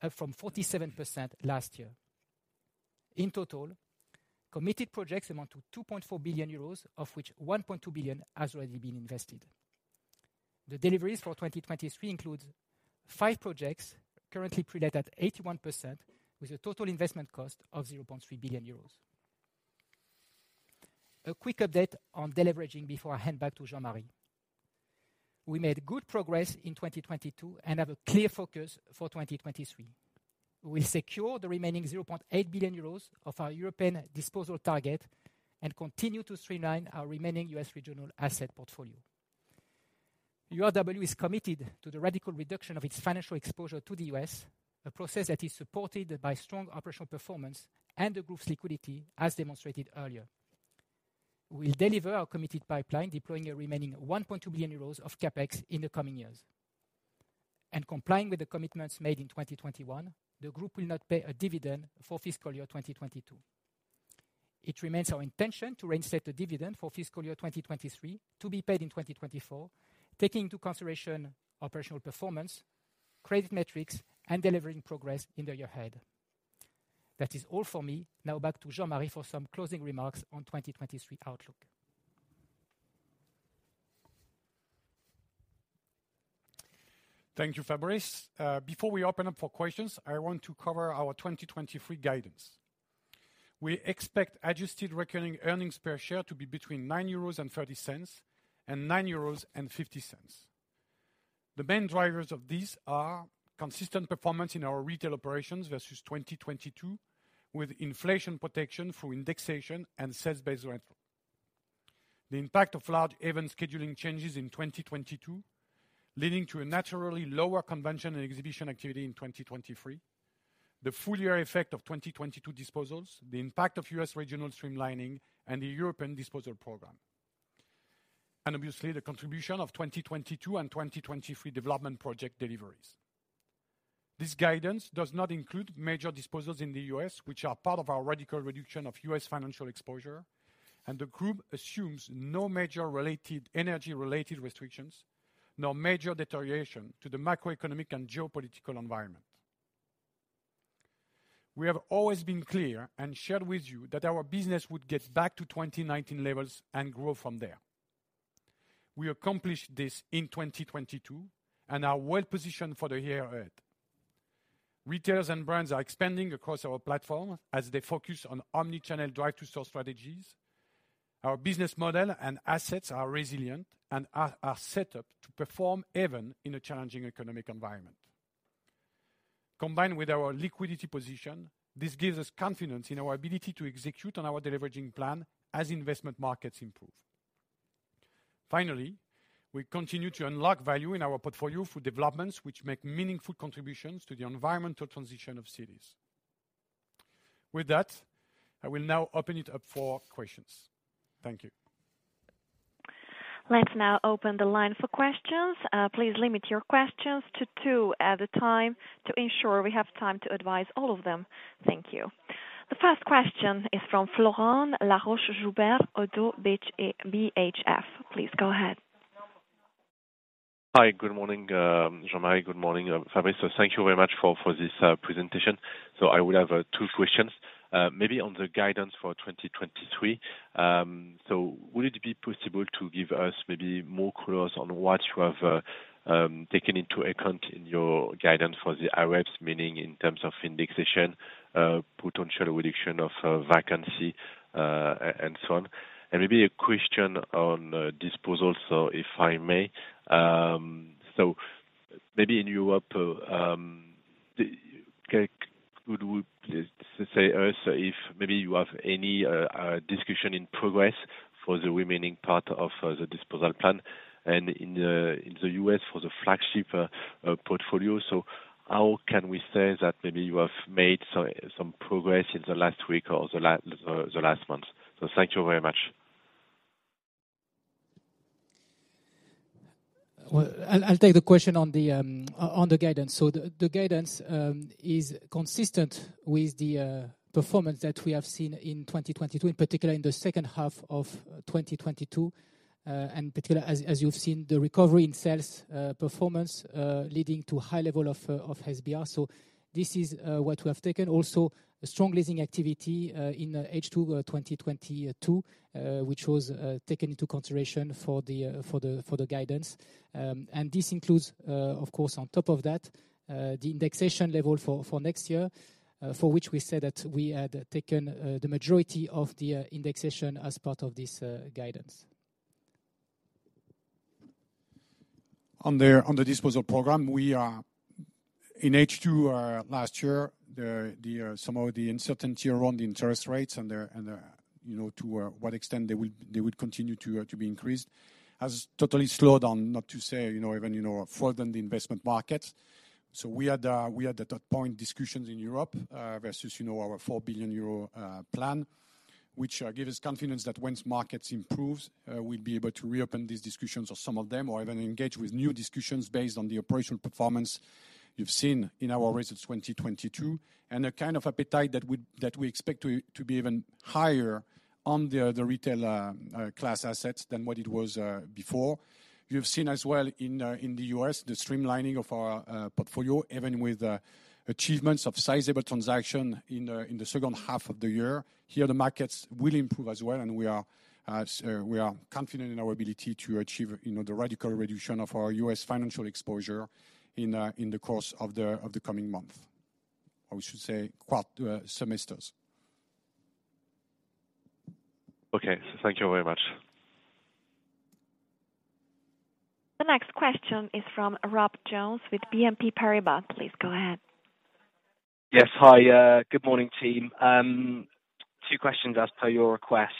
up from 47% last year. Committed projects amount to 2.4 billion euros, of which 1.2 billion has already been invested. The deliveries for 2023 includes five projects currently prelet at 81% with a total investment cost of 0.3 billion euros. A quick update on deleveraging before I hand back to Jean-Marie. We made good progress in 2022 and have a clear focus for 2023. We secure the remaining 0.8 billion euros of our European disposal target and continue to streamline our remaining U.S. regional asset portfolio. URW is committed to the radical reduction of its financial exposure to the U.S., a process that is supported by strong operational performance and the group's liquidity, as demonstrated earlier. We'll deliver our committed pipeline, deploying a remaining 1.2 billion euros of CapEx in the coming years. Complying with the commitments made in 2021, the group will not pay a dividend for fiscal year 2022. It remains our intention to reinstate the dividend for fiscal year 2023 to be paid in 2024, taking into consideration operational performance, credit metrics, and delivering progress in the year ahead. That is all for me. Back to Jean-Marie for some closing remarks on 2023 outlook. Thank you, Fabrice. Before we open up for questions, I want to cover our 2023 guidance. We expect Adjusted Recurring EPS to be between 9.30 euros and 9.50 euros. The main drivers of these are consistent performance in our retail operations versus 2022, with inflation protection through indexation and sales-based rental. The impact of large event scheduling changes in 2022, leading to a naturally lower Convention & Exhibition activity in 2023. The full year effect of 2022 disposals, the impact of U.S. regional streamlining and the European disposal program. Obviously, the contribution of 2022 and 2023 development project deliveries. This guidance does not include major disposals in the U.S., which are part of our radical reduction of U.S. financial exposure, and the group assumes no major energy related restrictions, no major deterioration to the macroeconomic and geopolitical environment. We have always been clear and shared with you that our business would get back to 2019 levels and grow from there. We accomplished this in 2022 and are well positioned for the year ahead. Retailers and brands are expanding across our platform as they focus on omni-channel drive to store strategies. Our business model and assets are resilient and are set up to perform even in a challenging economic environment. Combined with our liquidity position, this gives us confidence in our ability to execute on our deleveraging plan as investment markets improve. Finally, we continue to unlock value in our portfolio for developments which make meaningful contributions to the environmental transition of cities. With that, I will now open it up for questions. Thank you. Let's now open the line for questions. Please limit your questions to two at a time to ensure we have time to advise all of them. Thank you. The first question is from Florent Laroche-Joubert, ODDO BHF. Please go ahead. Hi. Good morning, Jean-Marie. Good morning, Fabrice. Thank you very much for this presentation. I would have two questions. Maybe on the guidance for 2023. Would it be possible to give us maybe more colors on what you have taken into account in your guidance for the NRIs, meaning in terms of indexation, potential reduction of vacancy, and so on? Maybe a question on disposal, if I may. Maybe in Europe, could you say us if maybe you have any discussion in progress for the remaining part of the disposal plan and in the U.S. for the flagship portfolio. How can we say that maybe you have made some progress in the last week or the last month? Thank you very much. Well, I'll take the question on the guidance. The guidance is consistent with the performance that we have seen in 2022, in particular in the second half of 2022, and particular, as you've seen, the recovery in sales performance leading to high level of SBR. This is what we have taken. Also a strong leasing activity in H2 2022, which was taken into consideration for the guidance. This includes, of course, on top of that, the indexation level for next year, for which we said that we had taken the majority of the indexation as part of this guidance. On the disposal program, we are in H2, last year, the some of the uncertainty around the interest rates and the, and the, you know, to what extent they would continue to be increased has totally slowed down, not to say, you know, even, you know, further in the investment markets. We had at that point discussions in Europe, versus, you know, our 4 billion euro plan, which give us confidence that once markets improves, we'll be able to reopen these discussions or some of them, or even engage with new discussions based on the operational performance you've seen in our results of 2022, and the kind of appetite that we expect to be even higher on the retail class assets than what it was before. You've seen as well in the U.S., the streamlining of our portfolio, even with achievements of sizable transaction in the second half of the year. Here, the markets will improve as well. We are confident in our ability to achieve, you know, the radical reduction of our U.S. financial exposure in the course of the coming month, or we should say, semesters. Okay. Thank you very much. The next question is from Rob Jones with BNP Paribas. Please go ahead. Yes. Hi, good morning team. Two questions as per your request.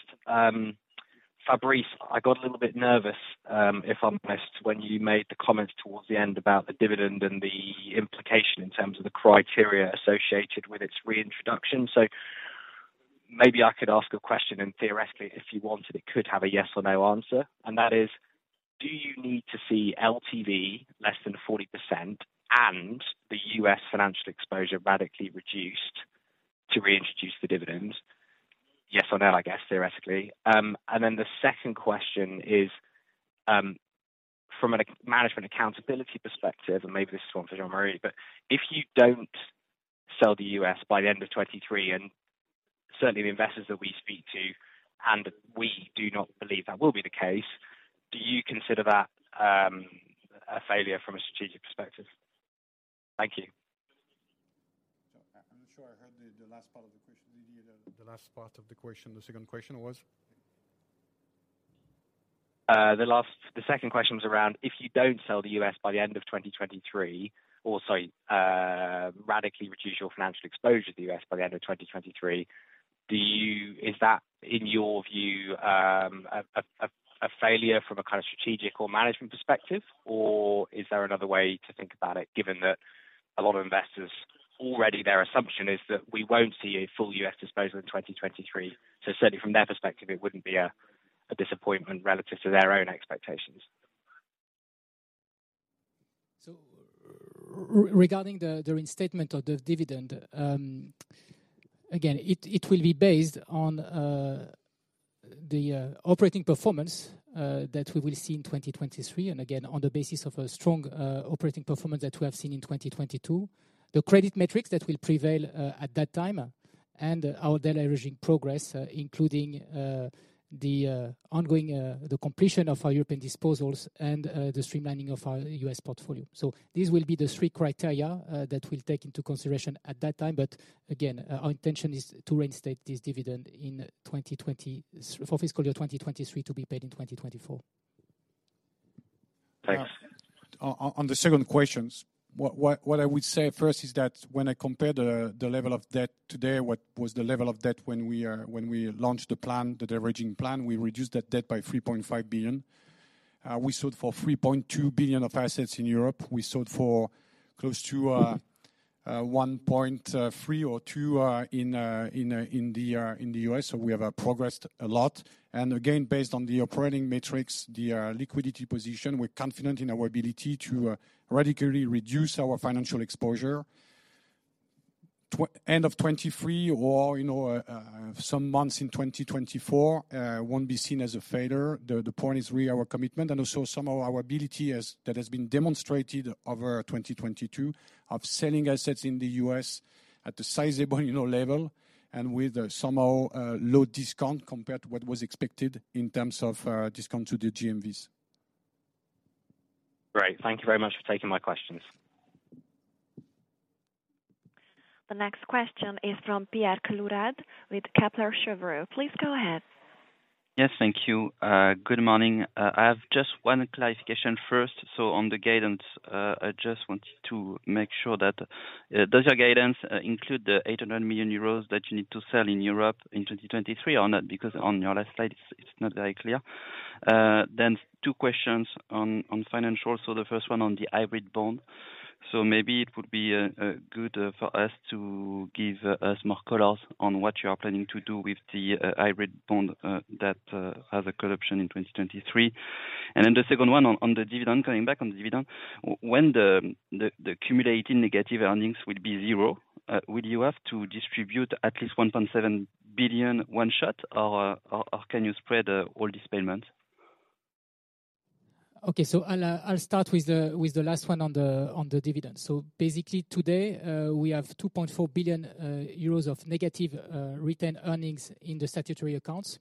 Fabrice, I got a little bit nervous, if I'm honest, when you made the comments towards the end about the dividend and the implication in terms of the criteria associated with its reintroduction. Maybe I could ask a question, and theoretically, if you wanted, it could have a yes or no answer. That is: do you need to see LTV less than 40% and the U.S. financial exposure radically reduced to reintroduce the dividends? Yes or no, I guess, theoretically. The second question is, from a management accountability perspective, and maybe this is one for Jean-Marie, but if you don't sell the U.S. by the end of 2023, and certainly the investors that we speak to, and we do not believe that will be the case, do you consider that, a failure from a strategic perspective? Thank you. I'm not sure I heard the last part of the question. Did you hear the last part of the question, the second question was? The second question was around, if you don't sell the U.S. by the end of 2023, or, sorry, radically reduce your financial exposure to the U.S. by the end of 2023, do you, is that, in your view, a failure from a kind of strategic or management perspective? Is there another way to think about it, given that a lot of investors already their assumption is that we won't see a full U.S. disposal in 2023. Certainly from their perspective, it wouldn't be a disappointment relative to their own expectations. Regarding the reinstatement of the dividend, again, it will be based on the operating performance that we will see in 2023. Again, on the basis of a strong operating performance that we have seen in 2022, the credit metrics that will prevail at that time, and our deleveraging progress, including the ongoing completion of our European disposals and the streamlining of our U.S. portfolio. These will be the three criteria that we'll take into consideration at that time. Again, our intention is to reinstate this dividend for fiscal year 2023 to be paid in 2024. Thanks. On the second questions, what I would say first is that when I compare the level of debt today, what was the level of debt when we launched the plan, the deleveraging plan, we reduced that debt by 3.5 billion. We sold for 3.2 billion of assets in Europe. We sold for close to 1.3 or 2 in the U.S. We have progressed a lot. Again, based on the operating metrics, the liquidity position, we're confident in our ability to radically reduce our financial exposure. End of 2023 or, you know, some months in 2024, won't be seen as a failure. The point is really our commitment and also some of our ability as, that has been demonstrated over 2022 of selling assets in the U.S. at the sizable, you know, level and with somehow, low discount compared to what was expected in terms of, discount to the GMVs. Great. Thank you very much for taking my questions. The next question is from Pierre Clouard with Kepler Cheuvreux. Please go ahead. Yes, thank you. Good morning. I have just one clarification first. On the guidance, I just wanted to make sure that does your guidance include the 800 million euros that you need to sell in Europe in 2023 or not? Because on your last slide, it's not very clear. Two questions on financials. The first one on the hybrid bond. Maybe it would be good for us to give us more colors on what you are planning to do with the hybrid bond that has a call date in 2023. The second one on the dividend, coming back on the dividend, when the accumulating negative earnings will be zero, will you have to distribute at least 1.7 billion one-shot or can you spread all these payments? Okay. I'll start with the last one on the dividend. Basically, today, we have 2.4 billion euros of negative return earnings in the statutory accounts.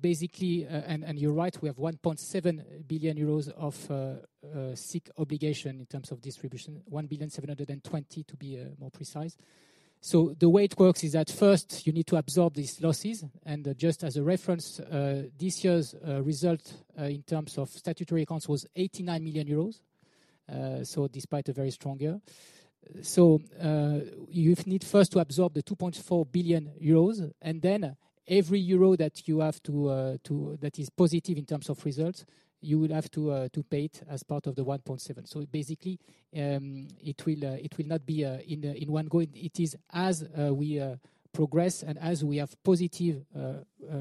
Basically, and you're right, we have 1.7 billion euros of SIIC obligation in terms of distribution, 1.72 billion to be more precise. The way it works is at first you need to absorb these losses. Just as a reference, this year's result in terms of statutory accounts was 89 million euros despite a very strong year. You've need first to absorb the 2.4 billion euros, and then every euro that you have to that is positive in terms of results, you will have to pay it as part of the 1.7. Basically, it will not be in one go. It is as we progress and as we have positive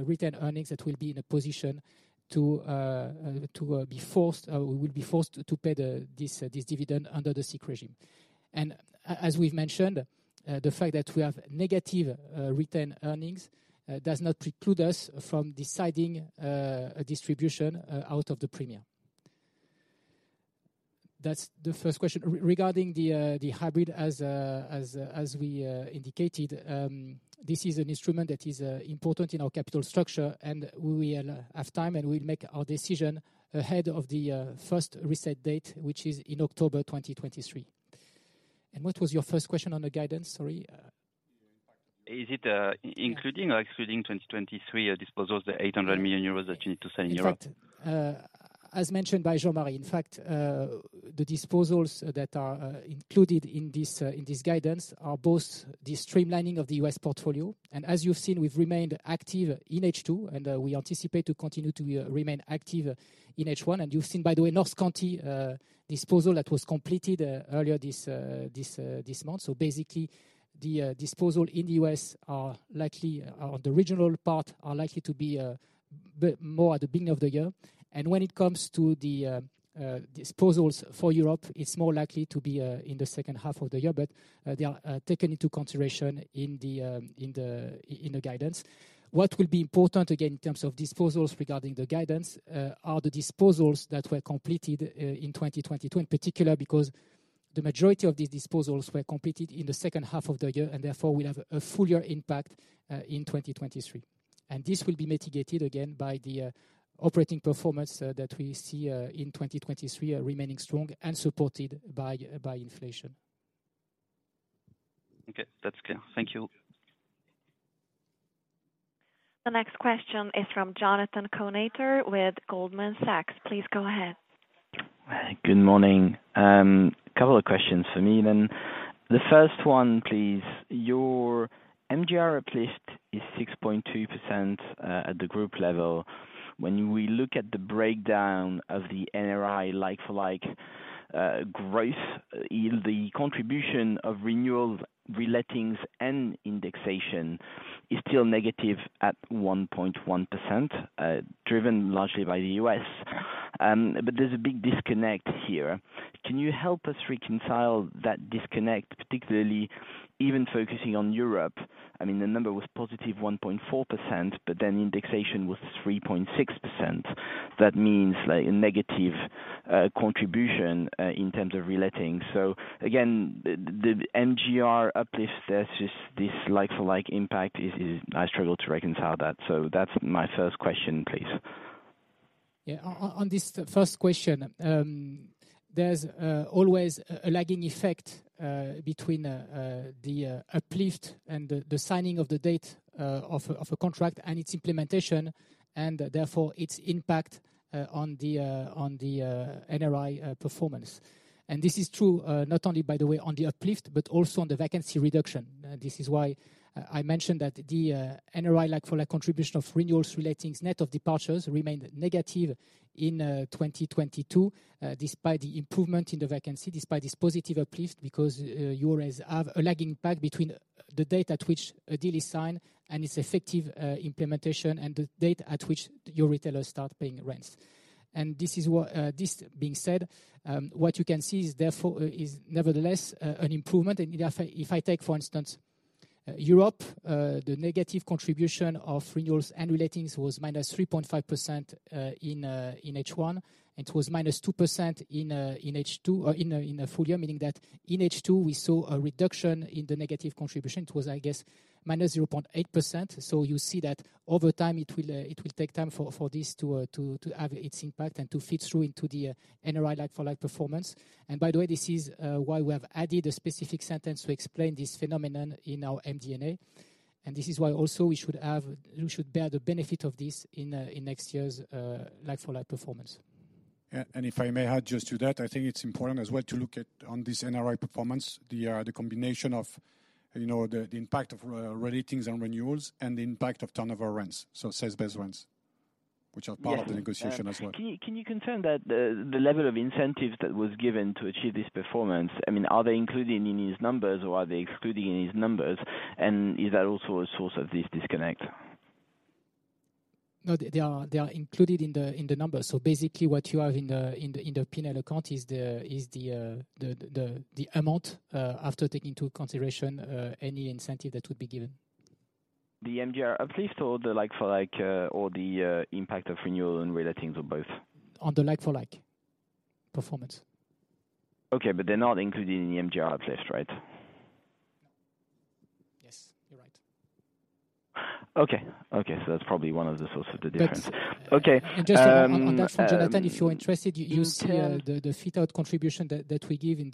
return earnings that will be in a position to be forced, we will be forced to pay this dividend under the SIIC regime. As we've mentioned, the fact that we have negative return earnings does not preclude us from deciding a distribution out of the premium. That's the first question. Regarding the hybrid as we indicated, this is an instrument that is important in our capital structure, and we will have time, and we'll make our decision ahead of the first reset date, which is in October 2023. What was your first question on the guidance? Sorry. Is it including or excluding 2023 disposals, the 800 million euros that you need to sell in Europe? In fact, as mentioned by Jean-Marie, the disposals that are included in this guidance are both the streamlining of the U.S. portfolio. As you've seen, we've remained active in H2, and we anticipate to continue to remain active in H1. You've seen, by the way, North County disposal that was completed earlier this month. Basically, the disposal in the U.S. are likely on the regional part, to be more at the beginning of the year. When it comes to the disposals for Europe, it's more likely to be in the second half of the year. They are taken into consideration in the guidance. What will be important, again, in terms of disposals regarding the guidance, are the disposals that were completed, in 2022 in particular, because the majority of these disposals were completed in the second half of the year, and therefore will have a full year impact, in 2023. This will be mitigated again by the operating performance, that we see, in 2023 remaining strong and supported by inflation. Okay. That's clear. Thank you. The next question is from Jonathan Kownator with Goldman Sachs. Please go ahead. Good morning. Couple of questions from me. The first one, please. Your MGR uplift is 6.2% at the group level. When we look at the breakdown of the NRI like-for-like growth in the contribution of renewals, relettings and indexation is still negative at 1.1%, driven large ly by the U.S. There's a big disconnect here. Can you help us reconcile that disconnect, particularly even focusing on Europe? The number was positive 1.4%, but indexation was 3.6%. That means like a negative contribution in terms of reletting. Again, the MGR uplift versus this like-for-like impact is... I struggle to reconcile that. That's my first question, please. Yeah. On this first question, there's always a lagging effect between the uplift and the signing of the date of a contract and its implementation, and therefore its impact on the NRI performance. This is true, not only, by the way, on the uplift, but also on the vacancy reduction. This is why I mentioned that the NRI like-for-like contribution of renewals relettings, net of departures remained negative in 2022, despite the improvement in the vacancy, despite this positive uplift, because you always have a lagging pack between the date at which a deal is signed and its effective implementation, and the date at which your retailers start paying rents. This is what, this being said, what you can see is therefore is nevertheless, an improvement. If I, if I take, for instance, Europe, the negative contribution of renewals and relettings was -3.5% in H1, and it was -2% in H2 or in a full year. Meaning that in H2, we saw a reduction in the negative contribution. It was, I guess, -0.8%. You see that over time, it will take time for this to have its impact and to feed through into the NRI like-for-like performance. By the way, this is why we have added a specific sentence to explain this phenomenon in our MD&A. This is why also we should bear the benefit of this in next year's like-for-like performance. Yeah. If I may add just to that, I think it's important as well to look at on this NRI performance, the combination of, you know, the impact of relettings and renewals and the impact of turnover rents, so sales-based rents, which are part of the negotiation as well. Can you confirm that the level of incentives that was given to achieve this performance, I mean, are they included in these numbers or are they excluded in these numbers? Is that also a source of this disconnect? No, they are included in the numbers. Basically what you have in the P&L account is the amount after taking into consideration any incentive that would be given. The MGR uplift or the like-for-like, or the impact of renewal and relettings, or both? On the like-for-like performance. Okay, they're not included in the MGR uplift, right? Yes, you're right. Okay. Okay, that's probably one of the sources of the difference. But- Okay. Just to add on that, Jonathan, if you're interested, you see the fit out contribution that we give in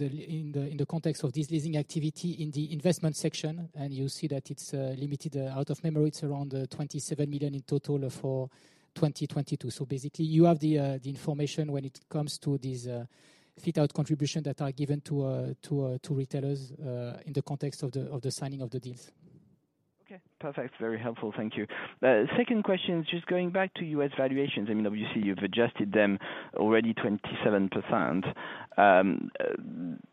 the context of this leasing activity in the investment section, and you see that it's limited. Out of memory, it's around 27 million in total for 2022. Basically you have the information when it comes to these fit out contribution that are given to retailers in the context of the signing of the deals. Okay, perfect. Very helpful. Thank you. Second question, just going back to U.S. valuations. I mean, obviously you've adjusted them already 27%.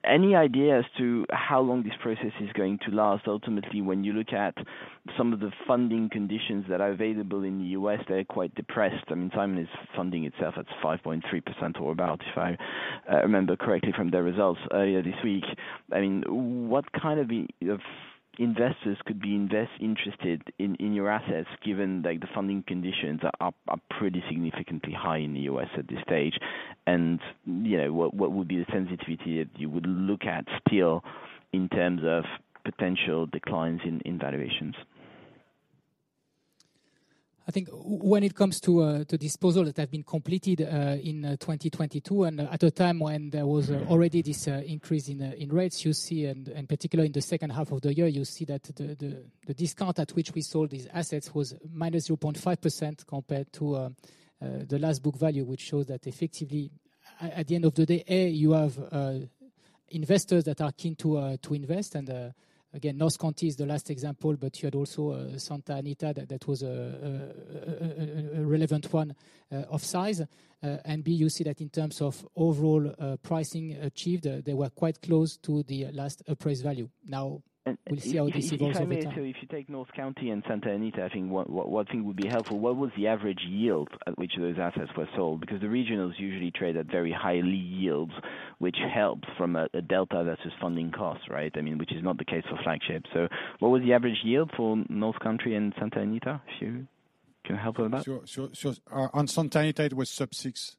Any idea as to how long this process is going to last? Ultimately, when you look at some of the funding conditions that are available in the U.S., they're quite depressed. I mean, Simon is funding itself at 5.3% or about, if I remember correctly from their results earlier this week. I mean, what kind of investors could be interested in your assets, given, like, the funding conditions are pretty significantly high in the U.S. at this stage? You know, what would be the sensitivity that you would look at still in terms of potential declines in valuations? I think when it comes to disposal that have been completed in 2022 and at a time when there was already this increase in rates, you see and particularly in the second half of the year, you see that the discount at which we sold these assets was -0.5% compared to the last book value, which shows that effectively at the end of the day, A, you have investors that are keen to invest. Again, North County is the last example, but you had also Santa Anita. That was a relevant one of size. B, you see that in terms of overall pricing achieved, they were quite close to the last appraised value. Now we'll see how this evolves over time. If I may, if you take North County and Santa Anita, I think one thing would be helpful, what was the average yield at which those assets were sold? Because the regionals usually trade at very high yields, which helps from a delta versus funding costs, right? I mean, which is not the case for flagship. What was the average yield for North County and Santa Anita? If you can help with that. Sure, sure. On Santa Anita, it was sub 6.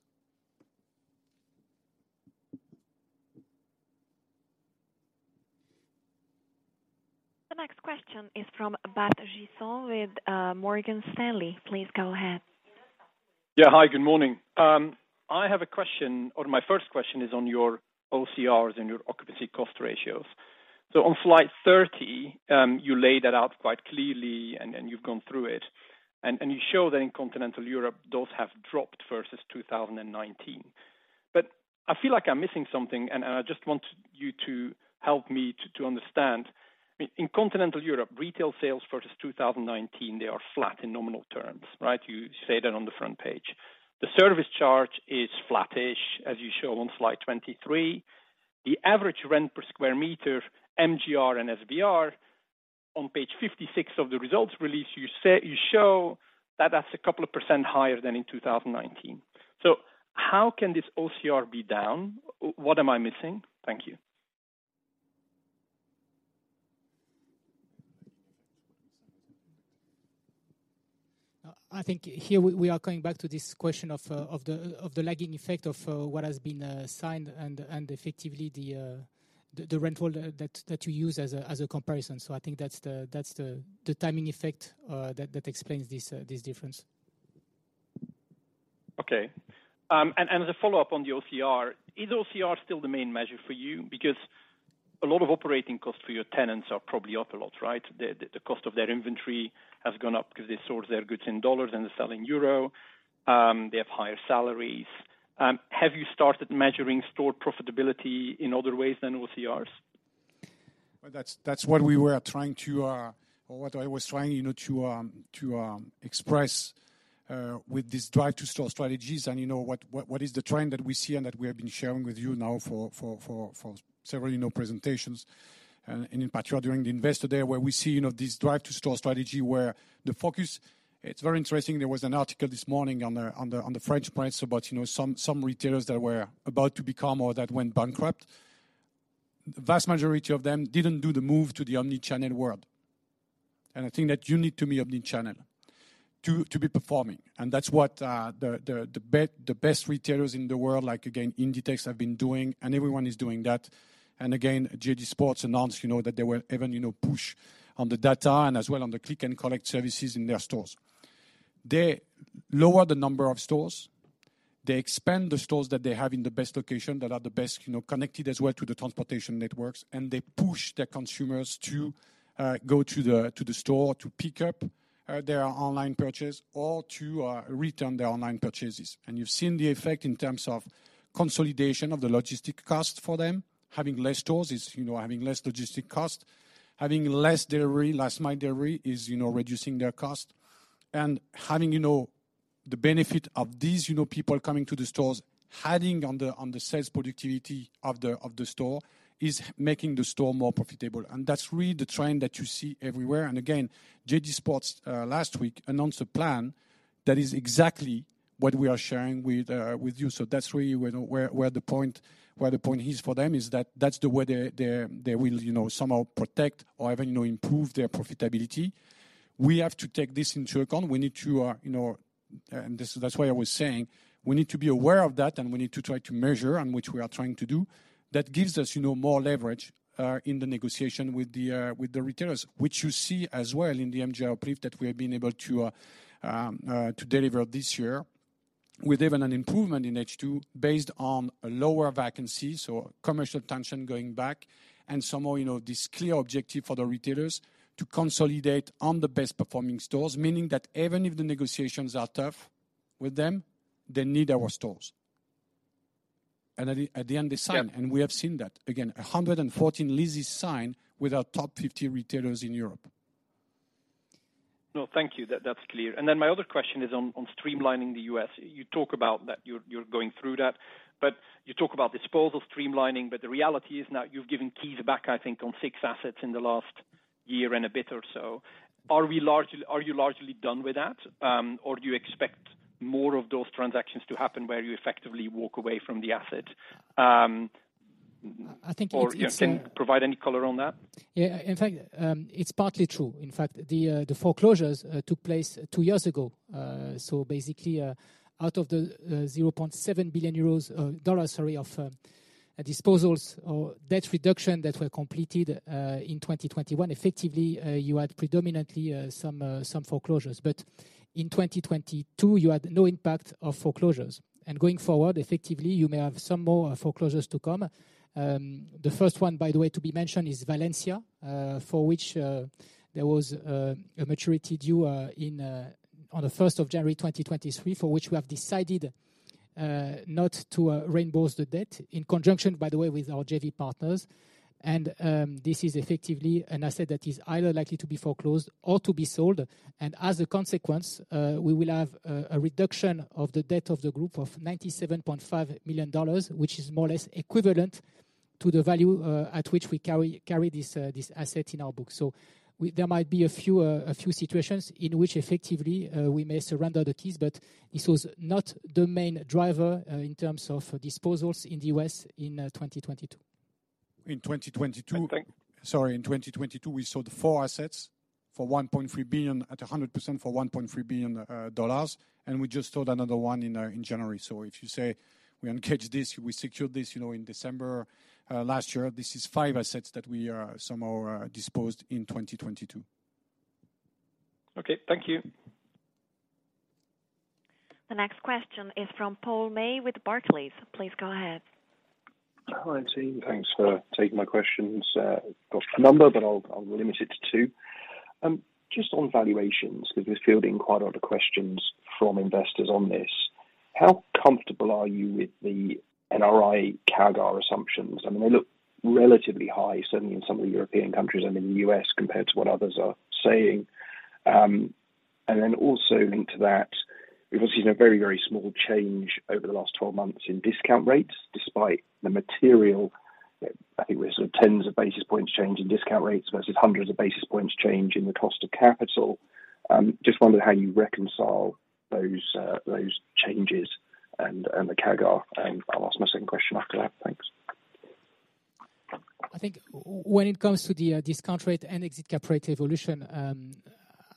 The next question is from Bart Gysens with Morgan Stanley. Please go ahead. Hi, good morning. I have a question, or my first question is on your OCRs and your occupancy cost ratios. On slide 30, you laid that out quite clearly and you've gone through it. And, and you show that in continental Europe, those have dropped versus 2019. I feel like I'm missing something, and I just want you to help me to understand. In continental Europe, retail sales versus 2019, they are flat in nominal terms, right? You say that on the front page. The service charge is flattish, as you show on slide 23. The average rent per square meter, MGR and SVR on page 56 of the results release, you show that that's a couple of percent higher than in 2019. How can this OCR be down? What am I missing? Thank you. I think here we are coming back to this question of the lagging effect of what has been signed and effectively the rent roll that you use as a comparison. I think that's the timing effect that explains this difference. Okay. As a follow-up on the OCR, is OCR still the main measure for you? Because a lot of operating costs for your tenants are probably up a lot, right? The cost of their inventory has gone up 'cause they source their goods in dollars and they sell in euro. They have higher salaries. Have you started measuring store profitability in other ways than OCRs? Well, that's what we were trying to, or what I was trying, you know, to express with this drive to store strategies. You know, what is the trend that we see and that we have been sharing with you now for several, you know, presentations, and in particular during the Investor Day, where we see, you know, this drive to store strategy where the focus. It's very interesting. There was an article this morning on the French press about, you know, some retailers that were about to become or that went bankrupt. Vast majority of them didn't do the move to the omnichannel world. I think that you need to be omnichannel to be performing. That's what the best retailers in the world, like, again, Inditex, have been doing, and everyone is doing that. Again, JD Sports announced, you know, that they will even, you know, push on the data and as well on the click and collect services in their stores. They lower the number of stores. They expand the stores that they have in the best location, that are the best, you know, connected as well to the transportation networks, and they push their consumers to go to the store to pick up their online purchase or to return their online purchases. You've seen the effect in terms of consolidation of the logistic cost for them. Having less stores is, you know, having less logistic cost. Having less delivery, last mile delivery is, you know, reducing their cost. Having, you know, the benefit of these, you know, people coming to the stores, adding on the sales productivity of the store, is making the store more profitable. That's really the trend that you see everywhere. Again, JD Sports last week announced a plan that is exactly what we are sharing with you. That's really where the point is for them, is that that's the way they're, they will, you know, somehow protect or even, you know, improve their profitability. We have to take this into account. We need to, you know. That's why I was saying we need to be aware of that, and we need to try to measure, and which we are trying to do. That gives us, you know, more leverage in the negotiation with the retailers, which you see as well in the MGR uplift that we have been able to deliver this year, with even an improvement in H2 based on lower vacancies or commercial tension going back. Somehow, you know, this clear objective for the retailers to consolidate on the best performing stores, meaning that even if the negotiations are tough with them, they need our stores. At the end, they sign. Yeah. We have seen that. Again, 114 leases signed with our top 50 retailers in Europe. No, thank you. That's clear. My other question is on streamlining the U.S. You talk about that you're going through that, but you talk about disposal streamlining, but the reality is now you've given keys back, I think, on six assets in the last year and a bit or so. Are you largely done with that? Do you expect more of those transactions to happen where you effectively walk away from the asset? I think it's. You know, can provide any color on that. Yeah, in fact, it's partly true. In fact, the foreclosures took place two years ago. Basically, out of the $0.7 billion of disposals or debt reduction that were completed in 2021, effectively, you had predominantly some foreclosures. In 2022, you had no impact of foreclosures. Going forward, effectively, you may have some more foreclosures to come. The first one, by the way, to be mentioned is Valencia, for which there was a maturity due on January 1, 2023, for which we have decided not to reimburse the debt in conjunction, by the way, with our JV partners. This is effectively an asset that is either likely to be foreclosed or to be sold. As a consequence, we will have a reduction of the debt of the group of $97.5 million, which is more or less equivalent to the value at which we carry this asset in our book. There might be a few situations in which effectively, we may surrender the keys, but this was not the main driver in terms of disposals in the U.S. in 2022. In 2022. I think- Sorry. In 2022, we sold four assets for $1.3 billion at 100% for $1.3 billion. We just sold another one in January. If you say we uncage this, we secured this, you know, in December last year, this is five assets that we somehow disposed in 2022. Okay, thank you. The next question is from Paul May with Barclays. Please go ahead. Hi, team. Thanks for taking my questions. got a number, but I'll limit it to two. just on valuations, 'cause we're fielding quite a lot of questions from investors on this. How comfortable are you with the NRI CAGR assumptions? I mean, they look relatively high, certainly in some of the European countries and in the U.S. compared to what others are saying. also linked to that, we've also seen a very, very small change over the last 12 months in discount rates, despite the material, I think we're sort of tens of basis points change in discount rates versus hundreds of basis points change in the cost of capital. just wondering how you reconcile those changes and the CAGR, and I'll ask my second question after that. Thanks. I think when it comes to the discount rate and exit cap rate evolution,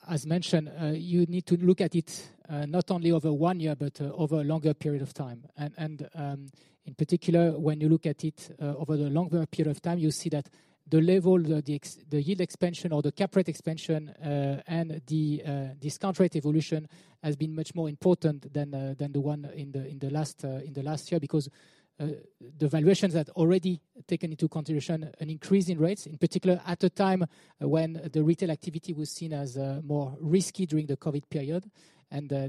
as mentioned, you need to look at it not only over one year, but over a longer period of time. In particular, when you look at it over the longer period of time, you see that the level, the yield expansion or the cap rate expansion, and the discount rate evolution has been much more important than the one in the last year. Because the valuations had already taken into consideration an increase in rates, in particular, at the time when the retail activity was seen as more risky during the COVID period.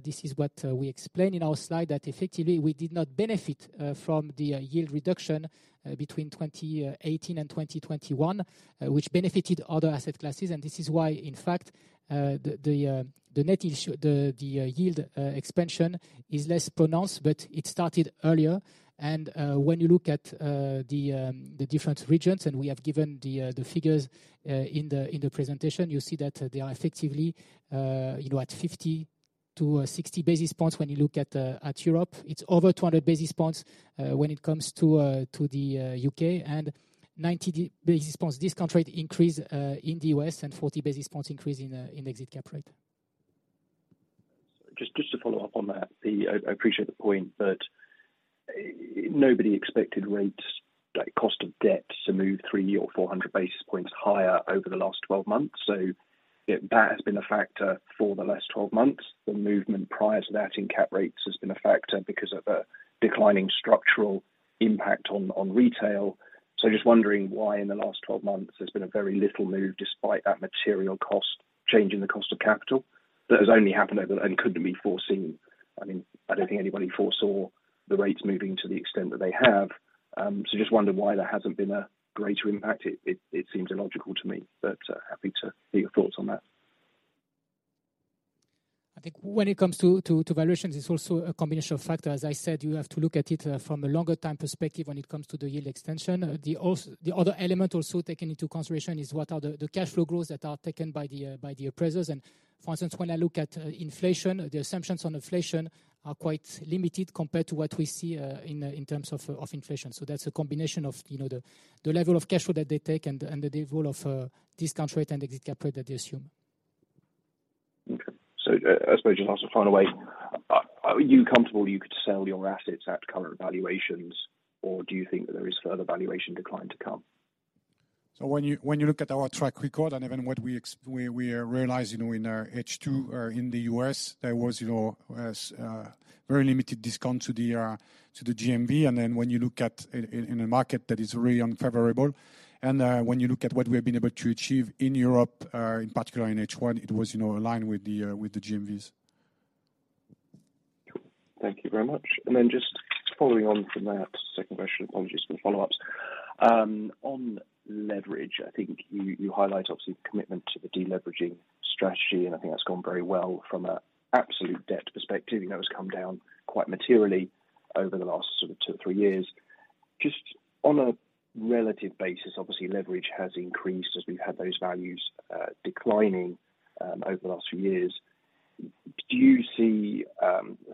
This is what we explain in our slide, that effectively we did not benefit from the yield reduction between 2018 and 2021, which benefited other asset classes. This is why, in fact, the net issue, the yield expansion is less pronounced, but it started earlier. When you look at the different regions, and we have given the figures in the presentation, you see that they are effectively, you know, at 50-60 basis points when you look at Europe. It's over 200 basis points when it comes to the U.K., and 90 basis points discount rate increase in the U.S., and 40 basis points increase in exit cap rate. Just to follow up on that. The, I appreciate the point, nobody expected rates like cost of debt to move 300 or 400 basis points higher over the last 12 months. That has been a factor for the last 12 months. The movement prior to that in cap rates has been a factor because of a declining structural impact on retail. Just wondering why in the last 12 months there's been a very little move despite that material cost changing the cost of capital that has only happened over and couldn't be foreseen. I mean, I don't think anybody foresaw the rates moving to the extent that they have. Just wonder why there hasn't been a greater impact. It seems illogical to me, but happy to hear your thoughts on that. I think when it comes to valuations, it's also a combination of factors. As I said, you have to look at it from a longer time perspective when it comes to the yield extension. The other element also taken into consideration is what are the cash flow growth that are taken by the appraisers. For instance, when I look at inflation, the assumptions on inflation are quite limited compared to what we see in terms of inflation. That's a combination of, you know, the level of cash flow that they take and the level of discount rate and exit cap rate that they assume. Okay. I suppose just also final way, are you comfortable you could sell your assets at current valuations, or do you think that there is further valuation decline to come? When you look at our track record and even what we are realizing in our H2 or in the U.S., there was, you know, as very limited discount to the GMV. When you look at in a market that is really unfavorable, when you look at what we've been able to achieve in Europe, in particular in H1, it was, you know, aligned with the GMVs. Thank you very much. Just following on from that second question, apologies for the follow-ups. On leverage, I think you highlight obviously commitment to the deleveraging strategy, and I think that's gone very well from an absolute debt perspective. You know, it's come down quite materially over the last sort of two, three years. Just on a relative basis, obviously leverage has increased as we've had those values declining over the last few years. Do you see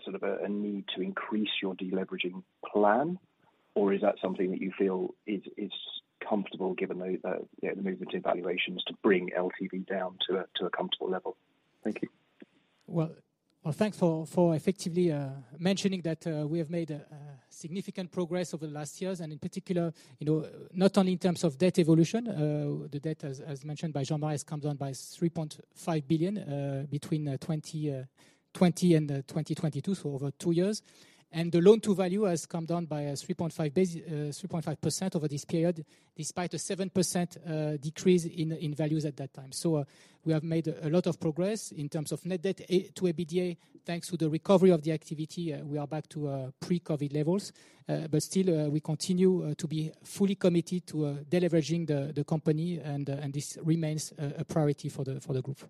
sort of a need to increase your deleveraging plan, or is that something that you feel is comfortable given the, you know, the movement in valuations to bring LTV down to a comfortable level? Thank you. Well, well, thanks for effectively, mentioning that, we have made significant progress over the last years and in particular, you know, not only in terms of debt evolution, the debt as mentioned by Jean-Marie has come down by 3.5 billion between 2020 and 2022, so over two years. The loan-to-value has come down by 3.5% over this period, despite a 7% decrease in values at that time. We have made a lot of progress in terms of net debt to EBITDA. Thanks to the recovery of the activity, we are back to pre-COVID levels. Still, we continue to be fully committed to deleveraging the company, and this remains a priority for the group.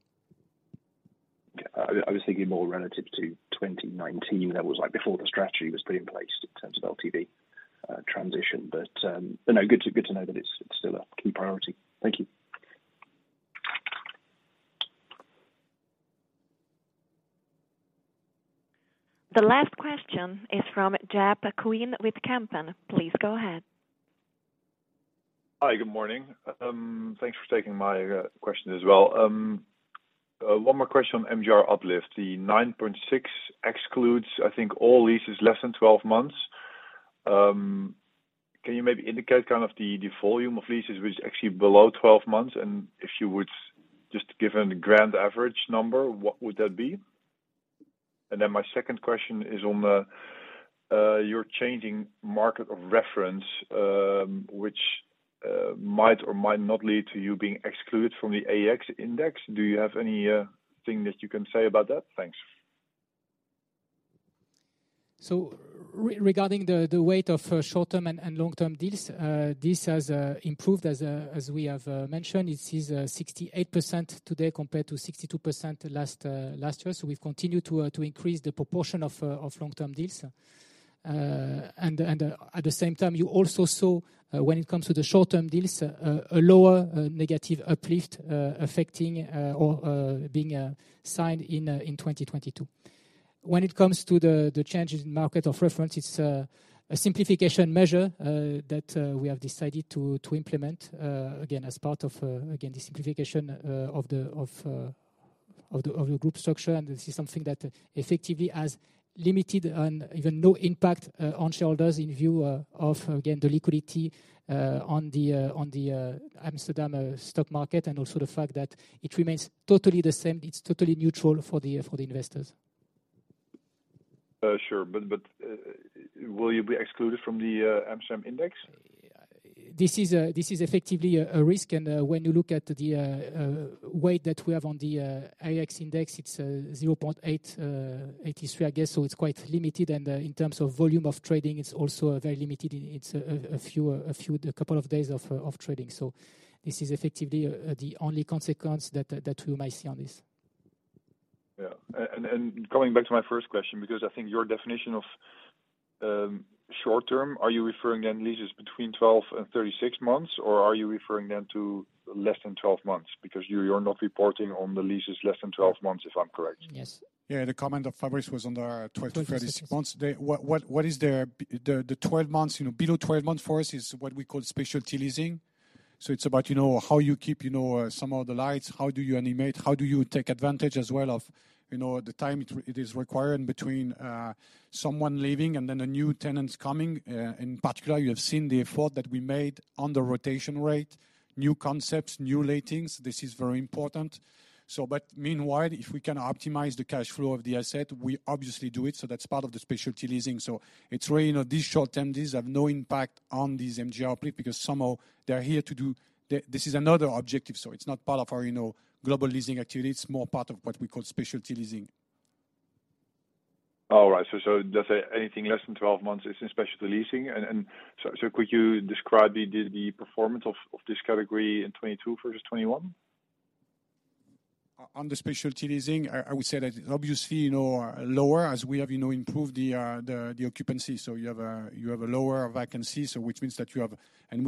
I was thinking more relative to 2019. That was, like, before the strategy was put in place in terms of LTV, transition. No, good to know that it's still a key priority. Thank you. The last question is from Jaap Kuin with Kempen. Please go ahead. Hi, good morning. Thanks for taking my question as well. One more question on MGR uplift. The 9.6 excludes, I think, all leases less than 12 months. Can you maybe indicate kind of the volume of leases which is actually below 12 months? If you would just give a grand average number, what would that be? My second question is on your changing market of reference, which might or might not lead to you being excluded from the CAC index. Do you have anything that you can say about that? Thanks. Regarding the weight of short-term and long-term deals, this has improved as we have mentioned. It is 68% today compared to 62% last year. We've continued to increase the proportion of long-term deals. At the same time, you also saw when it comes to the short-term deals, a lower negative uplift affecting or being signed in 2022. When it comes to the changes in market of reference, it's a simplification measure that we have decided to implement again as part of again the simplification of the group structure. This is something that effectively has limited and even no impact on shareholders in view of, again, the liquidity on the Amsterdam stock market, and also the fact that it remains totally the same. It's totally neutral for the for the investors. Sure. Will you be excluded from the Amsterdam index? This is effectively a risk. When you look at the weight that we have on the CAC index, it's 0.83, I guess. It's quite limited. In terms of volume of trading, it's also very limited. It's a few, a couple of days of trading. This is effectively the only consequence that we might see on this. Yeah. Coming back to my first question, because I think your definition of short term, are you referring then leases between 12 and 36 months, or are you referring then to less than 12 months? Because you're not reporting on the leases less than 12 months, if I'm correct. Yes. Yeah, the comment of Fabrice was on the 12-36 months. 12 to 36. What is their 12 months, you know, below 12 months for us is what we call specialty leasing. It's about, you know, how you keep, you know, some of the lights, how do you animate, how do you take advantage as well of, you know, the time it is required between someone leaving and then a new tenants coming. In particular, you have seen the effort that we made on the rotation rate, new concepts, new lightings. This is very important. Meanwhile, if we can optimize the cash flow of the asset, we obviously do it. That's part of the specialty leasing. It's really, you know, these short-term deals have no impact on these MGR uplift because somehow they are here to do. This is another objective. It's not part of our, you know, global leasing activity. It's more part of what we call specialty leasing. All right. Just anything less than 12 months is in specialty leasing. Could you describe the performance of this category in 2022 versus 2021? On the specialty leasing, I would say that obviously, you know, lower as we have, you know, improved the occupancy. You have a lower vacancy, which means that we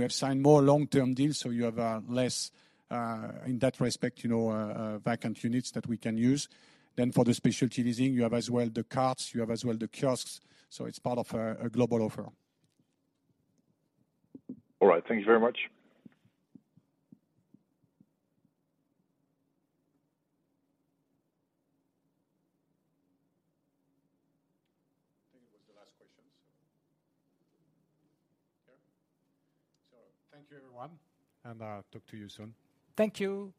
have signed more long-term deals, you have less in that respect, you know, vacant units that we can use. For the specialty leasing, you have as well the carts, you have as well the kiosks. It's part of a global offer. All right. Thank you very much. I think it was the last question, so. Yeah. Thank you, everyone. I'll talk to you soon. Thank you.